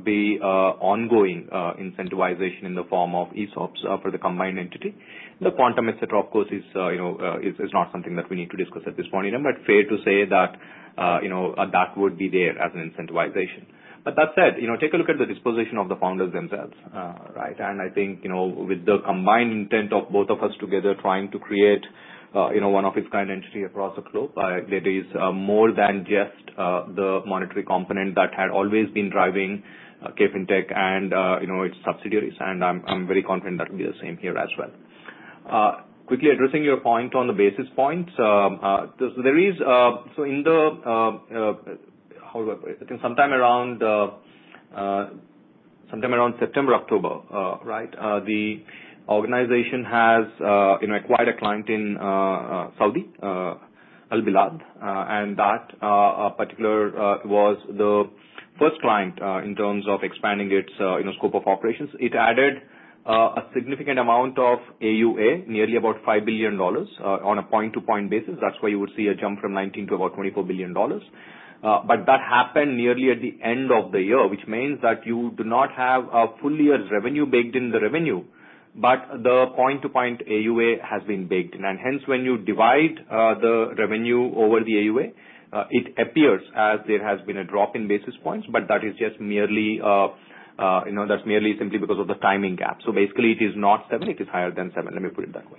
be ongoing incentivization in the form of ESOPs for the combined entity. The quantum, etc., of course, is not something that we need to discuss at this point in time, but fair to say that that would be there as an incentivization. That said, take a look at the disposition of the founders themselves, right? I think with the combined intent of both of us together trying to create one of its kind entity across the globe, there is more than just the monetary component that had always been KFintech and its subsidiaries. I am very confident that will be the same here as well. Quickly addressing your point on the basis points, in sometime around September, October, the organization has acquired a client in Saudi, Albilad, and that particular was the first client in terms of expanding its scope of operations. It added a significant amount of AUA, nearly about $5 billion on a point-to-point basis. That is where you would see a jump from $19 billion to about $24 billion. That happened nearly at the end of the year, which means that you do not have a full year's revenue baked in the revenue, but the point-to-point AUA has been baked in. Hence, when you divide the revenue over the AUA, it appears as there has been a drop in basis points, but that is merely simply because of the timing gap. Basically, it is not seven. It is higher than seven. Let me put it that way.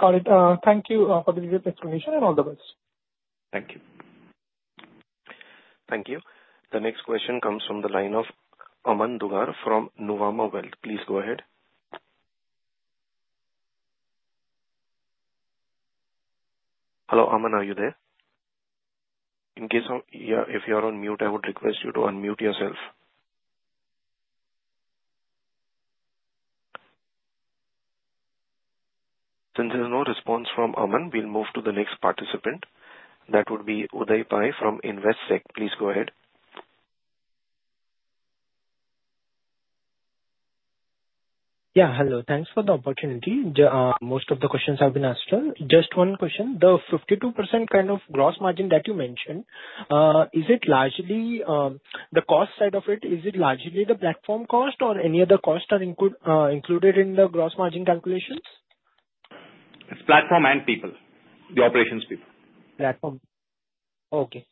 Got it. Thank you for the detailed explanation and all the best. Thank you. Thank you. The next question comes from the line of Aman Dugar from Nuvama Wealth. Please go ahead. Hello, Aman, are you there? In case of if you are on mute, I would request you to unmute yourself. Since there's no response from Aman, we'll move to the next participant. That would be Uday Pai from Investec. Please go ahead. Yeah. Hello. Thanks for the opportunity. Most of the questions have been answered. Just one question. The 52% kind of gross margin that you mentioned, is it largely the cost side of it? Is it largely the platform cost or any other cost included in the gross margin calculations? It's platform and people. The operations people. Platform. Okay.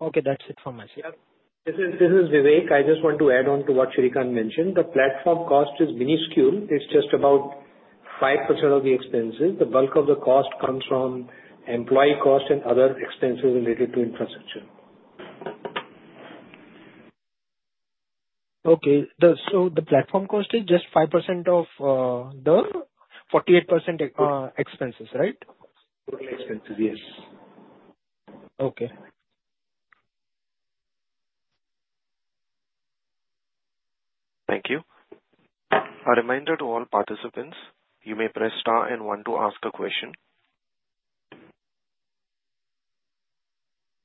Okay. That's it from my side. This is Vivek. I just want to add on to what Sreekanth mentioned. The platform cost is minuscule. It's just about 5% of the expenses. The bulk of the cost comes from employee cost and other expenses related to infrastructure. Okay. The platform cost is just 5% of the 48% expenses, right? Total expenses, yes. Okay. Thank you. A reminder to all participants, you may press star and one to ask a question.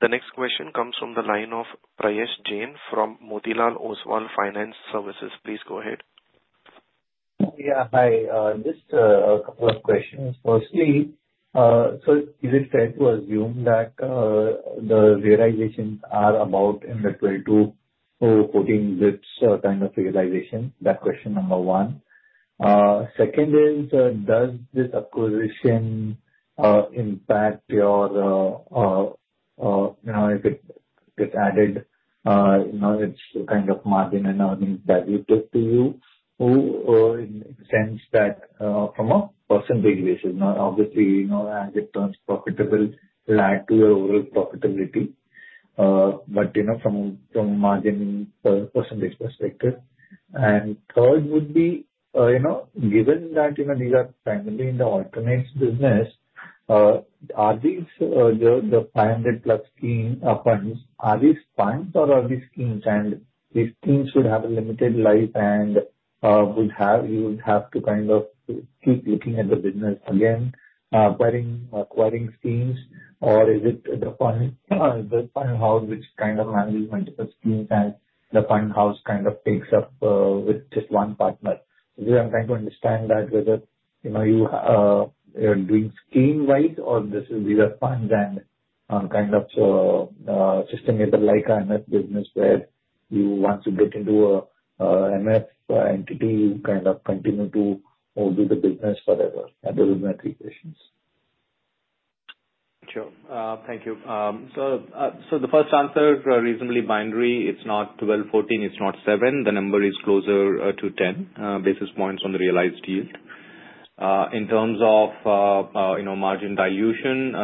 The next question comes from the line of Prayesh Jain from Motilal Oswal Financial Services. Please go ahead. Yeah. Hi. Just a couple of questions. Firstly, is it fair to assume that the realizations are about in the 22-14 basis points kind of realization? That is question number one. Second is, does this acquisition impact your, if it gets added, it is kind of margin and earnings that you took to you? In the sense that from a percentage basis, obviously, as it turns profitable, it will add to your overall profitability, but from a margin percentage perspective. Third would be, given that these are primarily in the alternates business, are these the 500-plus scheme funds, are these funds or are these schemes? These schemes would have a limited life and you would have to kind of keep looking at the business again, acquiring schemes, or is it the fund house which kind of management of the schemes and the fund house kind of takes up with just one partner? I am trying to understand that whether you are doing scheme-wise or these are funds and kind of just in the like MF business where you want to get into an MF entity, you kind of continue to do the business forever. There would be no three questions. Sure. Thank you. The first answer, reasonably binary. It is not 12, 14. It is not 7. The number is closer to 10 basis points on the realized yield. In terms of margin dilution,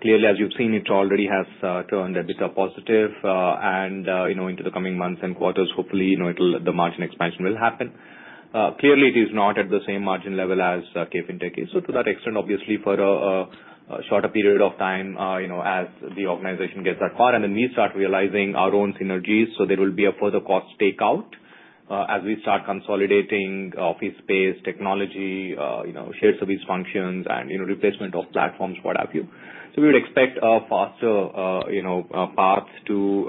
clearly, as you've seen, it already has turned a bit positive. In the coming months and quarters, hopefully, the margin expansion will happen. Clearly, it is not at the same margin level KFintech is. To that extent, obviously, for a shorter period of time as the organization gets that far, and then we start realizing our own synergies, there will be a further cost takeout as we start consolidating office space, technology, shared service functions, and replacement of platforms, what have you. We would expect a faster path to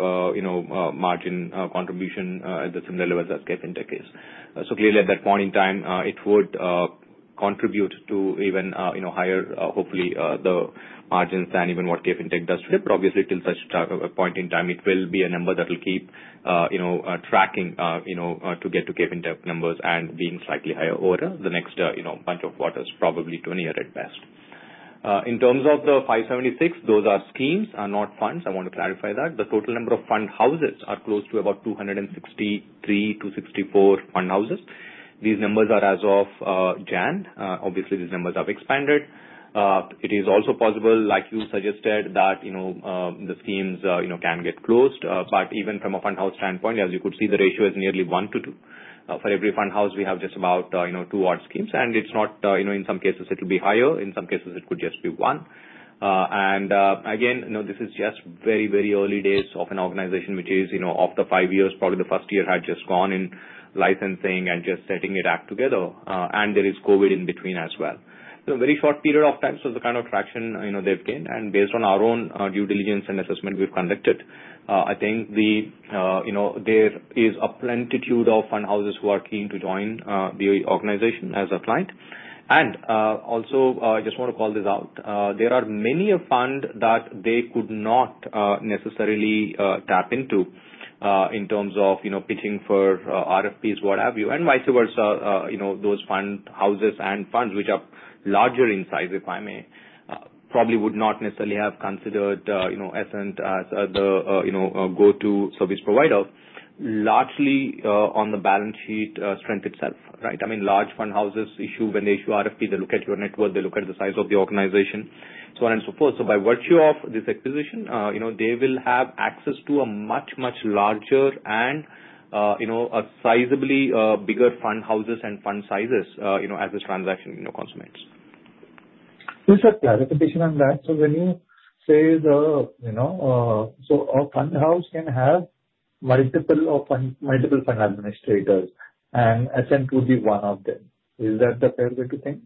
margin contribution at the similar levels KFintech is. At that point in time, it would contribute to even higher, hopefully, the margins than even KFintech does today. Obviously, till such a point in time, it will be a number that will keep tracking to get KFintech numbers and being slightly higher over the next bunch of quarters, probably two and a year at best. In terms of the 576, those are schemes, not funds. I want to clarify that. The total number of fund houses are close to about 263 to 264 fund houses. These numbers are as of January. Obviously, these numbers have expanded. It is also possible, like you suggested, that the schemes can get closed. Even from a fund house standpoint, as you could see, the ratio is nearly one to two. For every fund house, we have just about two odd schemes. In some cases, it will be higher. In some cases, it could just be one. This is just very, very early days of an organization which is of the five years, probably the first year had just gone in licensing and just setting it up together. There is COVID in between as well. Very short period of time. The kind of traction they've gained. Based on our own due diligence and assessment we've conducted, I think there is a plentitude of fund houses working to join the organization as a client. I just want to call this out. There are many a fund that they could not necessarily tap into in terms of pitching for RFPs, what have you. Vice versa, those fund houses and funds which are larger in size, if I may, probably would not necessarily have considered Ascent as the go-to service provider, largely on the balance sheet strength itself, right? I mean, large fund houses, when they issue RFP, they look at your network, they look at the size of the organization, so on and so forth. By virtue of this acquisition, they will have access to a much, much larger and a sizably bigger fund houses and fund sizes as a transaction consummates. Sir, clarification on that. When you say the, so a fund house can have multiple fund administrators, and Ascent could be one of them. Is that the fair way to think?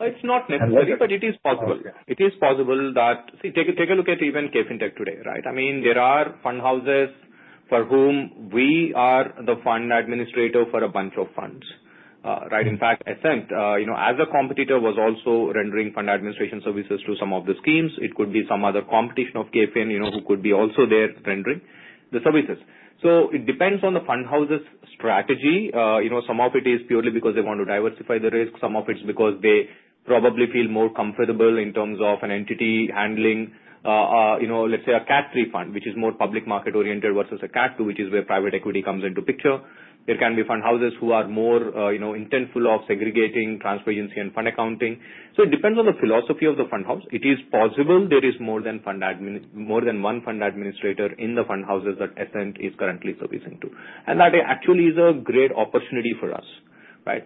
It's not necessary, but it is possible. It is possible that, see, take a look at KFintech today, right? I mean, there are fund houses for whom we are the fund administrator for a bunch of funds, right? In fact, Ascent, as a competitor, was also rendering fund administration services to some of the schemes. It could be some other competition of KFin who could be also there rendering the services. It depends on the fund house's strategy. Some of it is purely because they want to diversify the risk. Some of it's because they probably feel more comfortable in terms of an entity handling, let's say, a Cat III fund, which is more public market oriented versus a Cat II, which is where private equity comes into picture. There can be fund houses who are more intentful of segregating transparency and fund accounting. It depends on the philosophy of the fund house. It is possible there is more than one fund administrator in the fund houses that Ascent is currently servicing to. That actually is a great opportunity for us, right?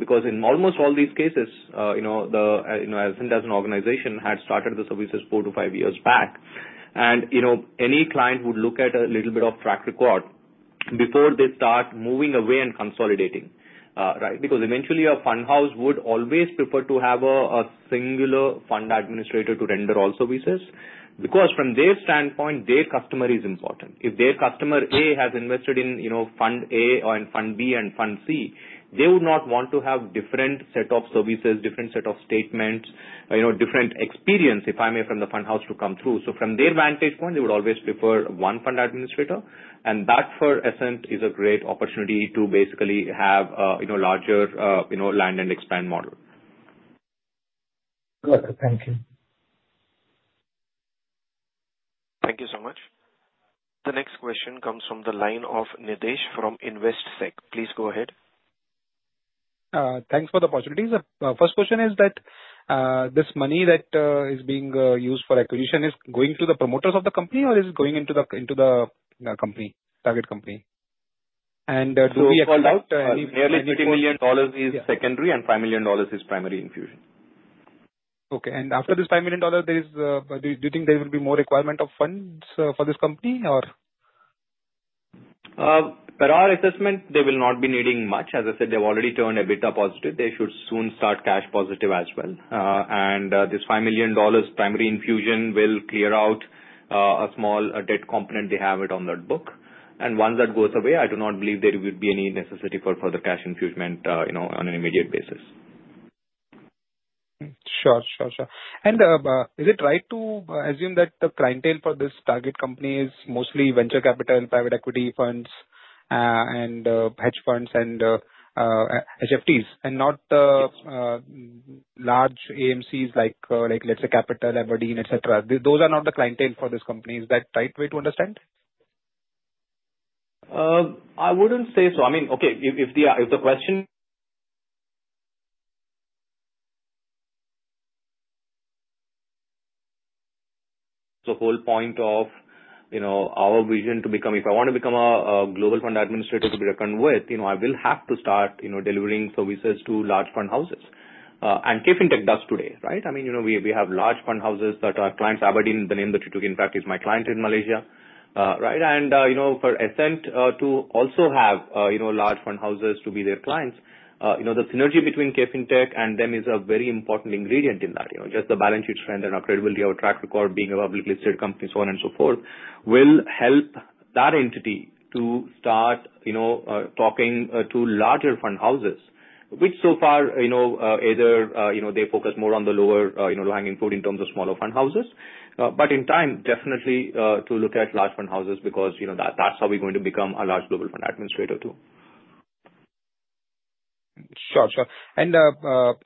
Because in almost all these cases, Ascent as an organization had started the services four to five years back. Any client would look at a little bit of track record before they start moving away and consolidating, right? Because eventually, a fund house would always prefer to have a singular fund administrator to render all services. From their standpoint, their customer is important. If their customer A has invested in Fund A and Fund B and Fund C, they would not want to have different set of services, different set of statements, different experience, if I may, from the fund house to come through. From their vantage point, they would always prefer one fund administrator. That for Ascent is a great opportunity to basically have a larger land and expand model. Got it. Thank you. Thank you so much. The next question comes from the line of Nidhesh from Investec. Please go ahead. Thanks for the opportunity. The first question is that this money that is being used for acquisition is going to the promoters of the company or is it going into the target company? Do we expect any? Nearly $18 million is secondary and $5 million is primary infusion. Okay. After this $5 million, do you think there will be more requirement of funds for this company? Per our assessment, they will not be needing much. As I said, they've already turned EBITDA positive. They should soon start cash positive as well. This $5 million primary infusion will clear out a small debt component they have on that book. Once that goes away, I do not believe there would be any necessity for further cash infusion on an immediate basis. Sure, sure, sure. Is it right to assume that the clientele for this target company is mostly venture capital, private equity funds, hedge funds, and HFTs, and not the large AMCs like, let's say, Capital, Aberdeen, etc.? Those are not the clientele for this company. Is that the right way to understand? I wouldn't say so. I mean, okay, if the question, the whole point of our vision to become, if I want to become a global fund administrator to be reckoned with, I will have to start delivering services to large fund KFintech does today, right? I mean, we have large fund houses that are our clients, Aberdeen, the name that you took in practice, my client in Malaysia, right? For Ascent to also have large fund houses to be their clients, the synergy KFintech and them is a very important ingredient in that. Just the balance sheet strength and our credibility of track record being a publicly listed company, so on and so forth, will help that entity to start talking to larger fund houses, which so far either they focus more on the lower hanging fruit in terms of smaller fund houses. In time, definitely to look at large fund houses because that's how we're going to become a large global fund administrator too. Sure, sure.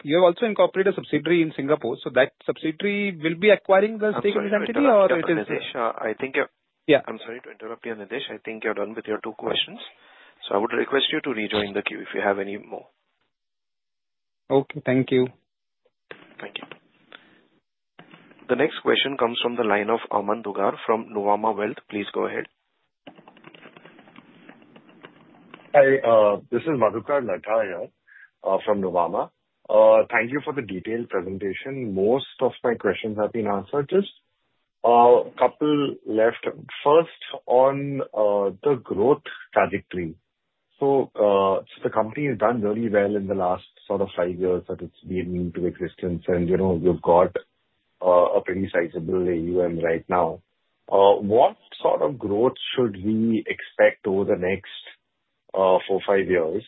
You have also incorporated a subsidiary in Singapore. That subsidiary will be acquiring the stake of the entity or it is? Nidhesh, I think you're— Yeah? I'm sorry to interrupt you, Nidhesh. I think you're done with your two questions. I would request you to rejoin the queue if you have any more. Okay. Thank you. Thank you. The next question comes from the line of Aman Dugar from Nuvama Wealth. Please go ahead. Hi. This is Madhukar Ladha from Nuvama. Thank you for the detailed presentation. Most of my questions have been answered. Just a couple left. First, on the growth trajectory. The company has done really well in the last sort of five years that it's been in existence, and we've got a pretty sizable AUM right now. What sort of growth should we expect over the next four-five years?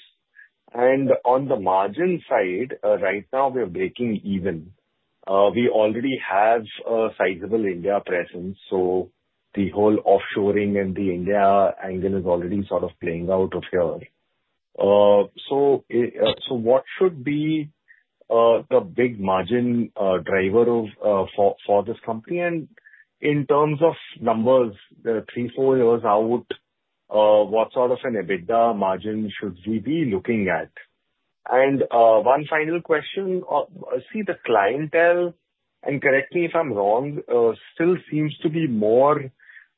On the margin side, right now we are breaking even. We already have a sizable India presence, so the whole offshoring and the India angle is already sort of playing out here. What should be the big margin driver for this company? In terms of numbers, three-four years out, what sort of an EBITDA margin should we be looking at? One final question. I see the clientele, and correct me if I'm wrong, still seems to be more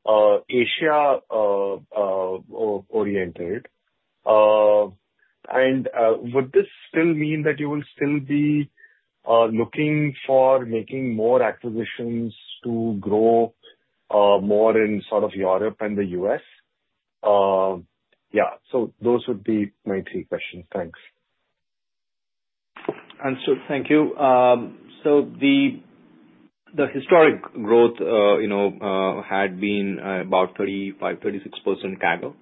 Asia-oriented. Would this still mean that you will still be looking for making more acquisitions to grow more in sort of Europe and the U.S.? Yeah. Those would be my three questions. Thanks. Thank you. The historic growth had been about 35%-36% CAGR.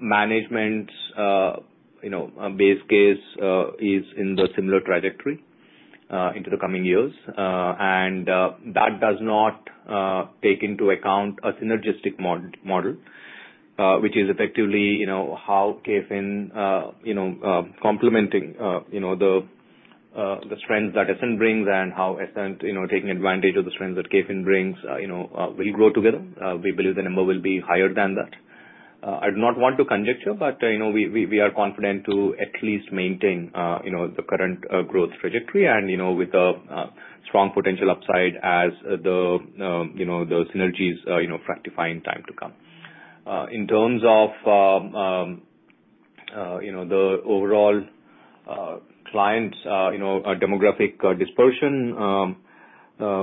Management's base case is in the similar trajectory into the coming years. That does not take into account a synergistic model, which is effectively how KFin complementing the strengths that Ascent brings and how Ascent taking advantage of the strengths that KFin brings will grow together. We believe the number will be higher than that. I do not want to conjure you, but we are confident to at least maintain the current growth trajectory and with a strong potential upside as the synergies fructify in time to come. In terms of the overall client demographic dispersion, the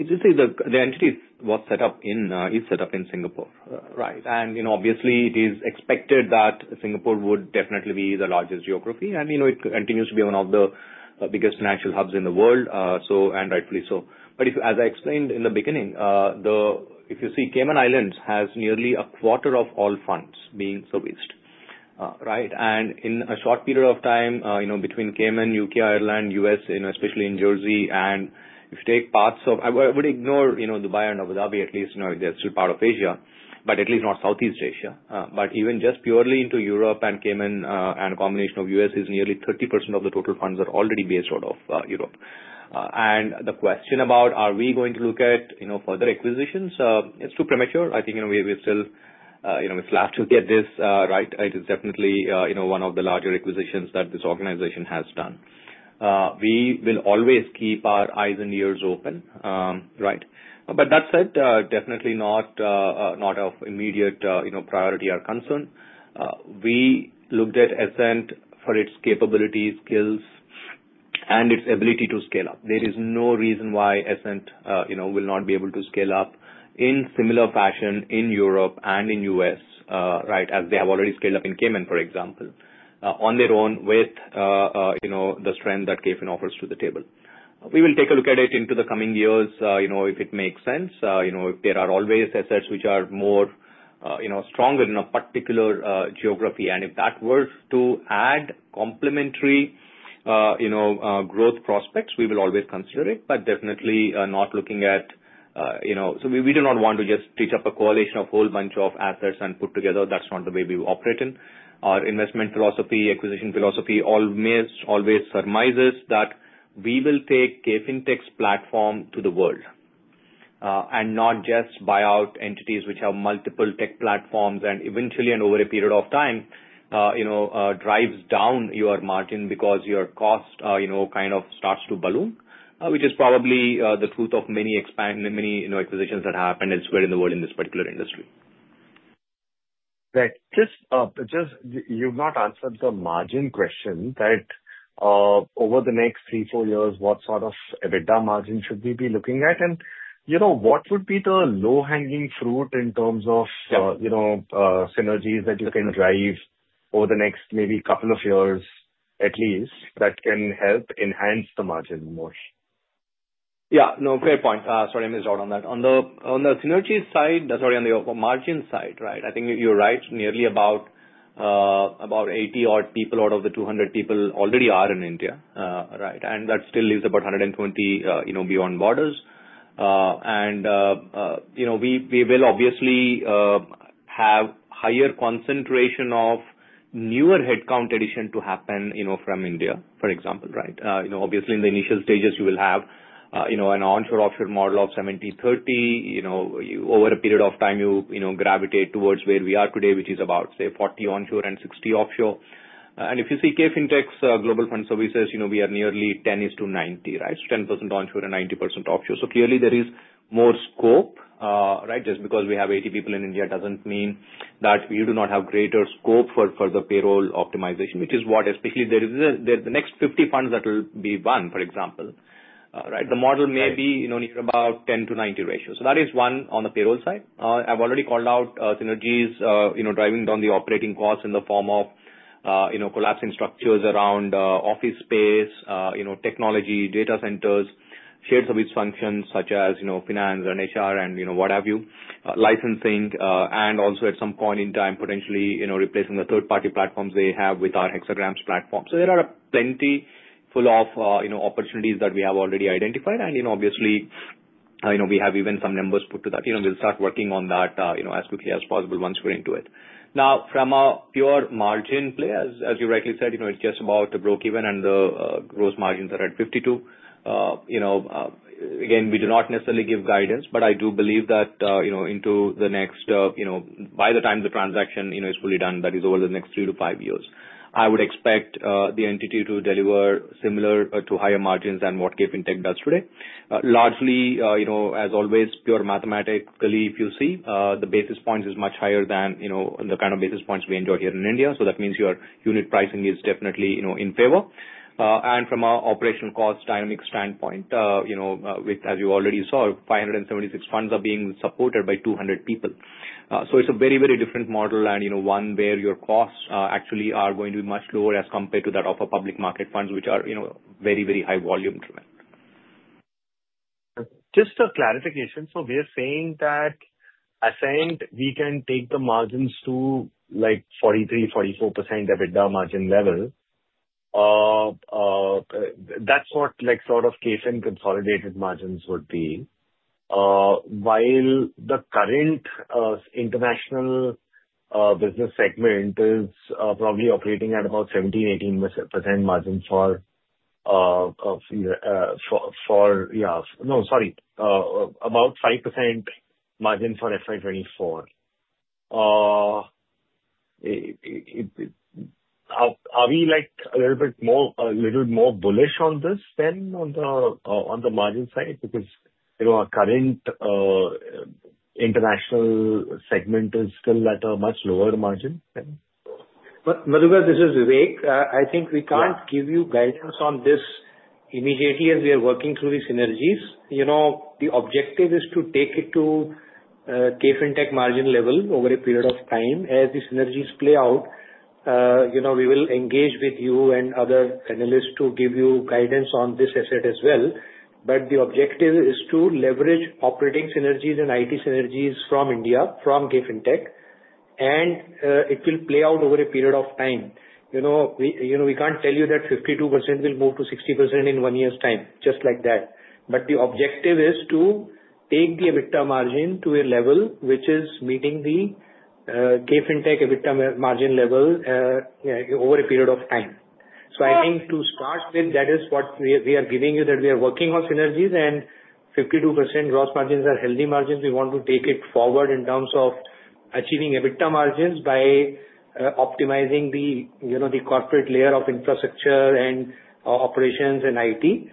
entity is set up in Singapore, right? Obviously, it is expected that Singapore would definitely be the largest geography. It continues to be one of the biggest financial hubs in the world, and rightfully so. As I explained in the beginning, if you see, Cayman Islands has nearly a quarter of all funds being serviced, right? In a short period of time between Cayman, U.K., Ireland, U.S., especially in Jersey, and if you take parts of—I would ignore Dubai and Abu Dhabi, at least they are still part of Asia, but at least not Southeast Asia. Even just purely into Europe and Cayman and a combination of U.S., nearly 30% of the total funds are already based out of Europe. The question about, are we going to look at further acquisitions, it's too premature. I think we still have to get this right. It is definitely one of the larger acquisitions that this organization has done. We will always keep our eyes and ears open, right? That said, definitely not of immediate priority or concern. We looked at Ascent for its capabilities, skills, and its ability to scale up. There is no reason why Ascent will not be able to scale up in similar fashion in Europe and in U.S., right, as they have already scaled up in Cayman, for example, on their own with the strength that KFin offers to the table. We will take a look at it into the coming years if it makes sense. There are always assets which are more stronger in a particular geography. If that were to add complementary growth prospects, we will always consider it, but definitely not looking at—so we do not want to just teach up a coalition of a whole bunch of assets and put together. That's not the way we operate in. Our investment philosophy, acquisition philosophy almost always surmises that we will KFintech's platform to the world and not just buy out entities which have multiple tech platforms and eventually, over a period of time, drives down your margin because your cost kind of starts to balloon, which is probably the truth of many acquisitions that have happened elsewhere in the world in this particular industry. Right. Just you've not answered the margin question that over the next three, four years, what sort of EBITDA margin should we be looking at? What would be the low-hanging fruit in terms of synergies that you can drive over the next maybe couple of years, at least, that can help enhance the margin more? Yeah. No, fair point. Sorry, I missed out on that. On the synergy side, sorry, on the margin side, right, I think you're right. Nearly about 80 odd people out of the 200 people already are in India, right? That still leaves about 120 beyond borders. We will obviously have higher concentration of newer headcount addition to happen from India, for example, right? Obviously, in the initial stages, you will have an onshore-offshore model of 70/30. Over a period of time, you gravitate towards where we are today, which is about, say, 40 onshore and 60 offshore. If you KFintech's Global Fund Services, we are nearly 10:90, right? 10% onshore and 90% offshore. Clearly, there is more scope, right? Just because we have 80 people in India does not mean that we do not have greater scope for further payroll optimization, which is what especially there is the next 50 funds that will be won, for example, right? The model may be near about 10:90 ratio. That is one on the payroll side. I've already called out synergies driving down the operating costs in the form of collapsing structures around office space, technology, data centers, shared service functions such as finance and HR and what have you, licensing, and also at some point in time, potentially replacing the third-party platforms they have with our Hexagram platform. There are plentiful opportunities that we have already identified. Obviously, we have even some numbers put to that. We'll start working on that as quickly as possible once we're into it. Now, from a pure margin play, as you rightly said, it's just about a break-even, and the gross margins are at 52%. Again, we do not necessarily give guidance, but I do believe that into the next, by the time the transaction is fully done, that is over the next three to five years, I would expect the entity to deliver similar to higher margins than KFintech does today. Largely, as always, pure mathematically, if you see, the basis points is much higher than the kind of basis points we enjoy here in India. That means your unit pricing is definitely in favor. From an operational cost dynamic standpoint, as you already saw, 576 funds are being supported by 200 people. It is a very, very different model and one where your costs actually are going to be much lower as compared to that of public market funds, which are very, very high volume driven. Just a clarification. We are saying that we can take the margins to 43%-44% EBITDA margin level. That is what sort of KFin consolidated margins would be. While the current international business segment is probably operating at about 17-18% margin for—yeah. No, sorry. About 5% margin for FY 2024. Are we a little bit more bullish on this than on the margin side? Because our current international segment is still at a much lower margin than— Madhukar, this is Vivek. I think we cannot give you guidance on this immediately as we are working through these synergies. The objective is to take it KFintech margin level over a period of time. As these synergies play out, we will engage with you and other analysts to give you guidance on this asset as well. The objective is to leverage operating synergies and IT synergies from India, KFintech, and it will play out over a period of time. We can't tell you that 52% will move to 60% in one year's time, just like that. The objective is to take the EBITDA margin to a level which is meeting KFintech EBITDA margin level over a period of time. I think to start with, that is what we are giving you, that we are working on synergies, and 52% gross margins are healthy margins. We want to take it forward in terms of achieving EBITDA margins by optimizing the corporate layer of infrastructure and operations and IT.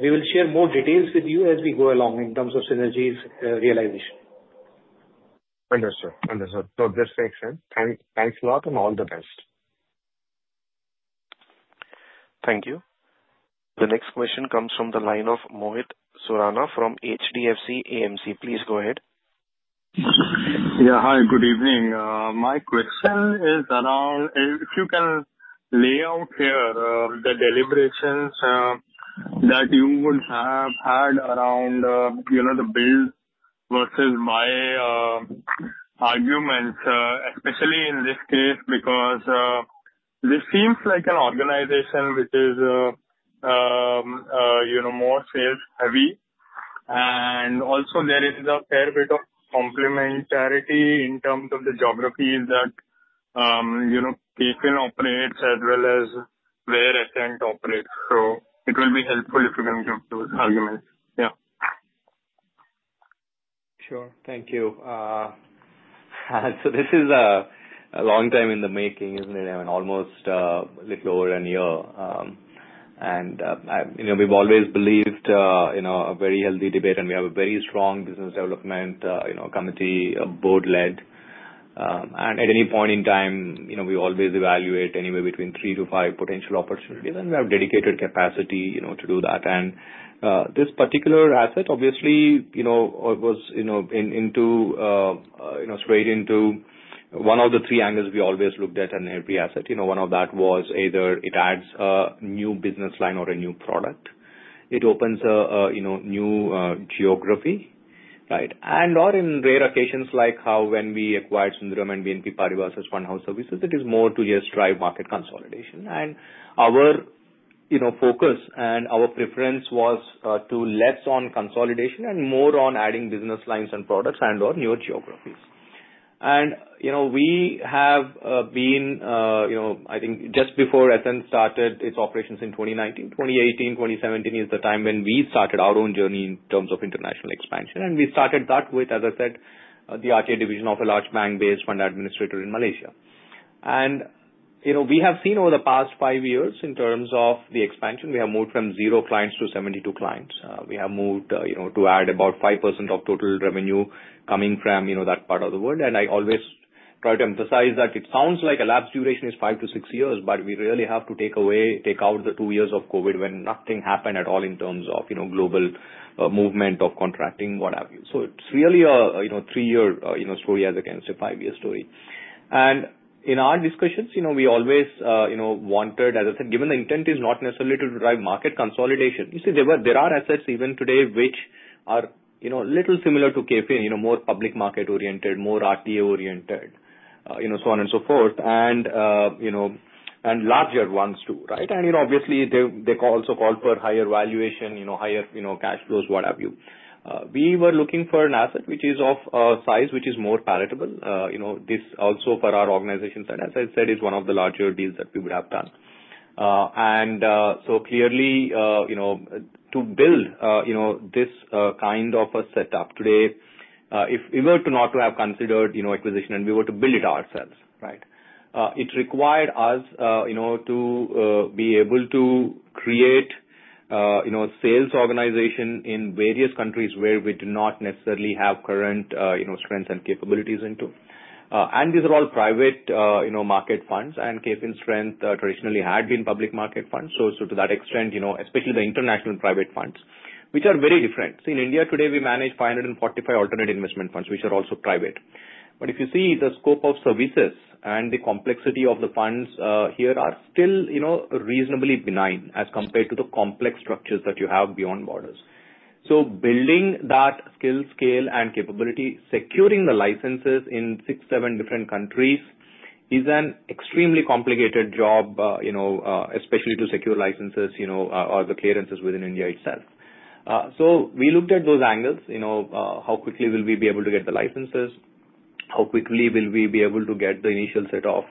We will share more details with you as we go along in terms of synergies realization. Understood. Understood. This makes sense. Thanks a lot, and all the best. Thank you. The next question comes from the line of Mohit Surana from HDFC AMC. Please go ahead. Yeah. Hi. Good evening. My question is around if you can lay out here the deliberations that you would have had around the build versus buy arguments, especially in this case, because this seems like an organization which is more sales-heavy. Also, there is a fair bit of complementarity in terms of the geographies that KFin operates as well as where Ascent operates. It will be helpful if you can give those arguments. Yeah. Sure. Thank you. This is a long time in the making, isn't it? Almost a little over a year. We've always believed in a very healthy debate, and we have a very strong business development committee, board-led. At any point in time, we always evaluate anywhere between three to five potential opportunities, and we have dedicated capacity to do that. This particular asset, obviously, was straight into one of the three angles we always looked at in every asset. One of that was either it adds a new business line or a new product. It opens a new geography, right? And/or in rare occasions, like when we acquired Sundaram BNP Paribas Fund Services, it is more to just drive market consolidation. Our focus and our preference was to less on consolidation and more on adding business lines and products and/or newer geographies. We have been, I think, just before Ascent started its operations in 2019. 2018, 2017 is the time when we started our own journey in terms of international expansion. We started that with, as I said, the RTA division of a large bank-based fund administrator in Malaysia. We have seen over the past five years in terms of the expansion, we have moved from zero clients to 72 clients. We have moved to add about 5% of total revenue coming from that part of the world. I always try to emphasize that it sounds like elapsed duration is five to six years, but we really have to take out the two years of COVID when nothing happened at all in terms of global movement of contracting, what have you. It is really a three-year story as against a five-year story. In our discussions, we always wanted, as I said, given the intent is not necessarily to drive market consolidation. You see, there are assets even today which are a little similar to KFin, more public market-oriented, more RTA-oriented, so on and so forth, and larger ones too, right? Obviously, they also called for higher valuation, higher cash flows, what have you. We were looking for an asset which is of a size which is more palatable. This also for our organization, as I said, is one of the larger deals that we would have done. Clearly, to build this kind of a setup today, if we were not to have considered acquisition and we were to build it ourselves, right, it required us to be able to create a sales organization in various countries where we do not necessarily have current strengths and capabilities into. These are all private market funds, and KFin traditionally had been public market funds. To that extent, especially the international private funds, which are very different. See, in India today, we manage 545 alternative investment funds, which are also private. If you see the scope of services and the complexity of the funds here, they are still reasonably benign as compared to the complex structures that you have beyond borders. Building that skill, scale, and capability, securing the licenses in six or seven different countries is an extremely complicated job, especially to secure licenses or the clearances within India itself. We looked at those angles. How quickly will we be able to get the licenses? How quickly will we be able to get the initial set of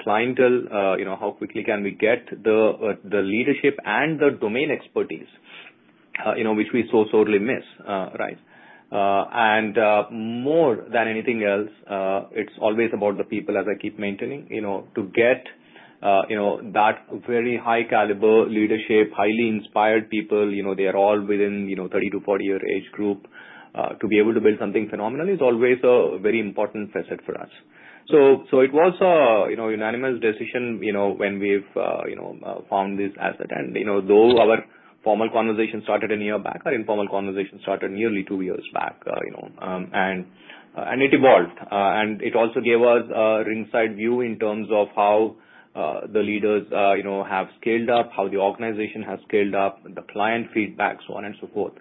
clientele? How quickly can we get the leadership and the domain expertise, which we so sorely miss, right? More than anything else, it's always about the people, as I keep maintaining, to get that very high-caliber leadership, highly inspired people. They are all within the 30-40 year age group. To be able to build something phenomenal is always a very important facet for us. It was a unanimous decision when we found this asset. Though our formal conversation started a year back, our informal conversation started nearly two years back. It evolved. It also gave us a ringside view in terms of how the leaders have scaled up, how the organization has scaled up, the client feedback, so on and so forth.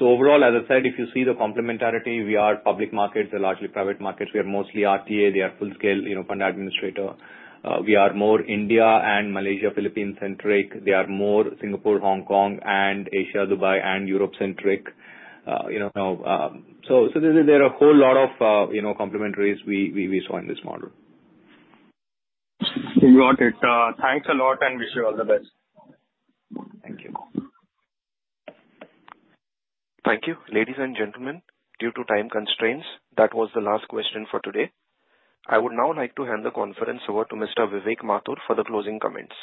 Overall, as I said, if you see the complementarity, we are public markets. They're largely private markets. We are mostly RTA. They are full-scale fund administrator. We are more India and Malaysia, Philippine-centric. They are more Singapore, Hong Kong, and Asia, Dubai, and Europe-centric. There are a whole lot of complementaries we saw in this model. You got it. Thanks a lot, and wish you all the best. Thank you. Thank you. Ladies and gentlemen, due to time constraints, that was the last question for today. I would now like to hand the conference over to Mr. Vivek Mathur for the closing comments.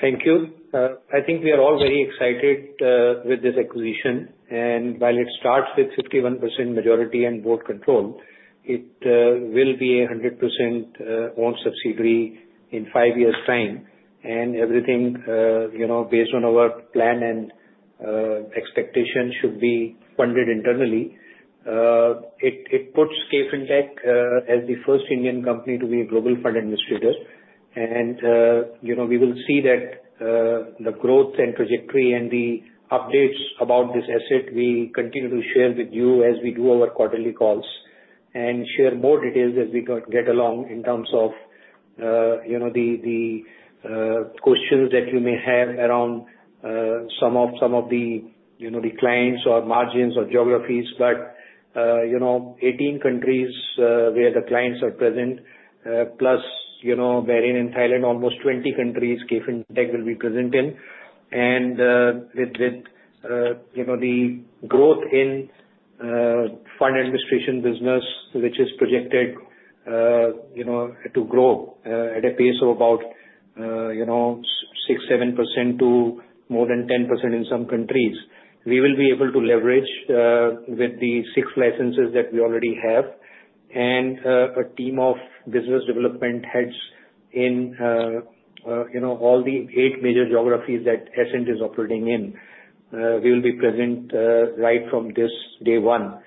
Thank you. I think we are all very excited with this acquisition. While it starts with 51% majority and board control, it will be a 100% owned subsidiary in five years' time. Everything based on our plan and expectation should be funded internally. It KFintech as the first Indian company to be a global fund administrator. We will see that the growth and trajectory and the updates about this asset. We continue to share with you as we do our quarterly calls and share more details as we get along in terms of the questions that you may have around some of the clients or margins or geographies. Eighteen countries where the clients are present, plus Bahrain and Thailand, almost 20 countries KFintech will be present in. With the growth in fund administration business, which is projected to grow at a pace of about 6%-7% to more than 10% in some countries, we will be able to leverage with the six licenses that we already have and a team of business development heads in all the eight major geographies that Ascent is operating in. We will be present right from this day one.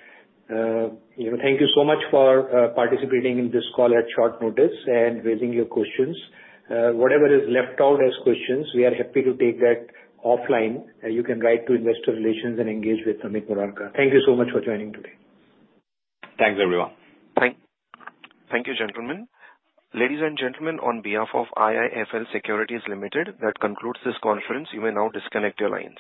Thank you so much for participating in this call at short notice and raising your questions. Whatever is left out as questions, we are happy to take that offline. You can write to investor relations and engage with Amit Murarka. Thank you so much for joining today. Thanks, everyone. Thank you, gentlemen. Ladies and gentlemen, on behalf of IIFL Securities Limited, that concludes this conference. You may now disconnect your lines.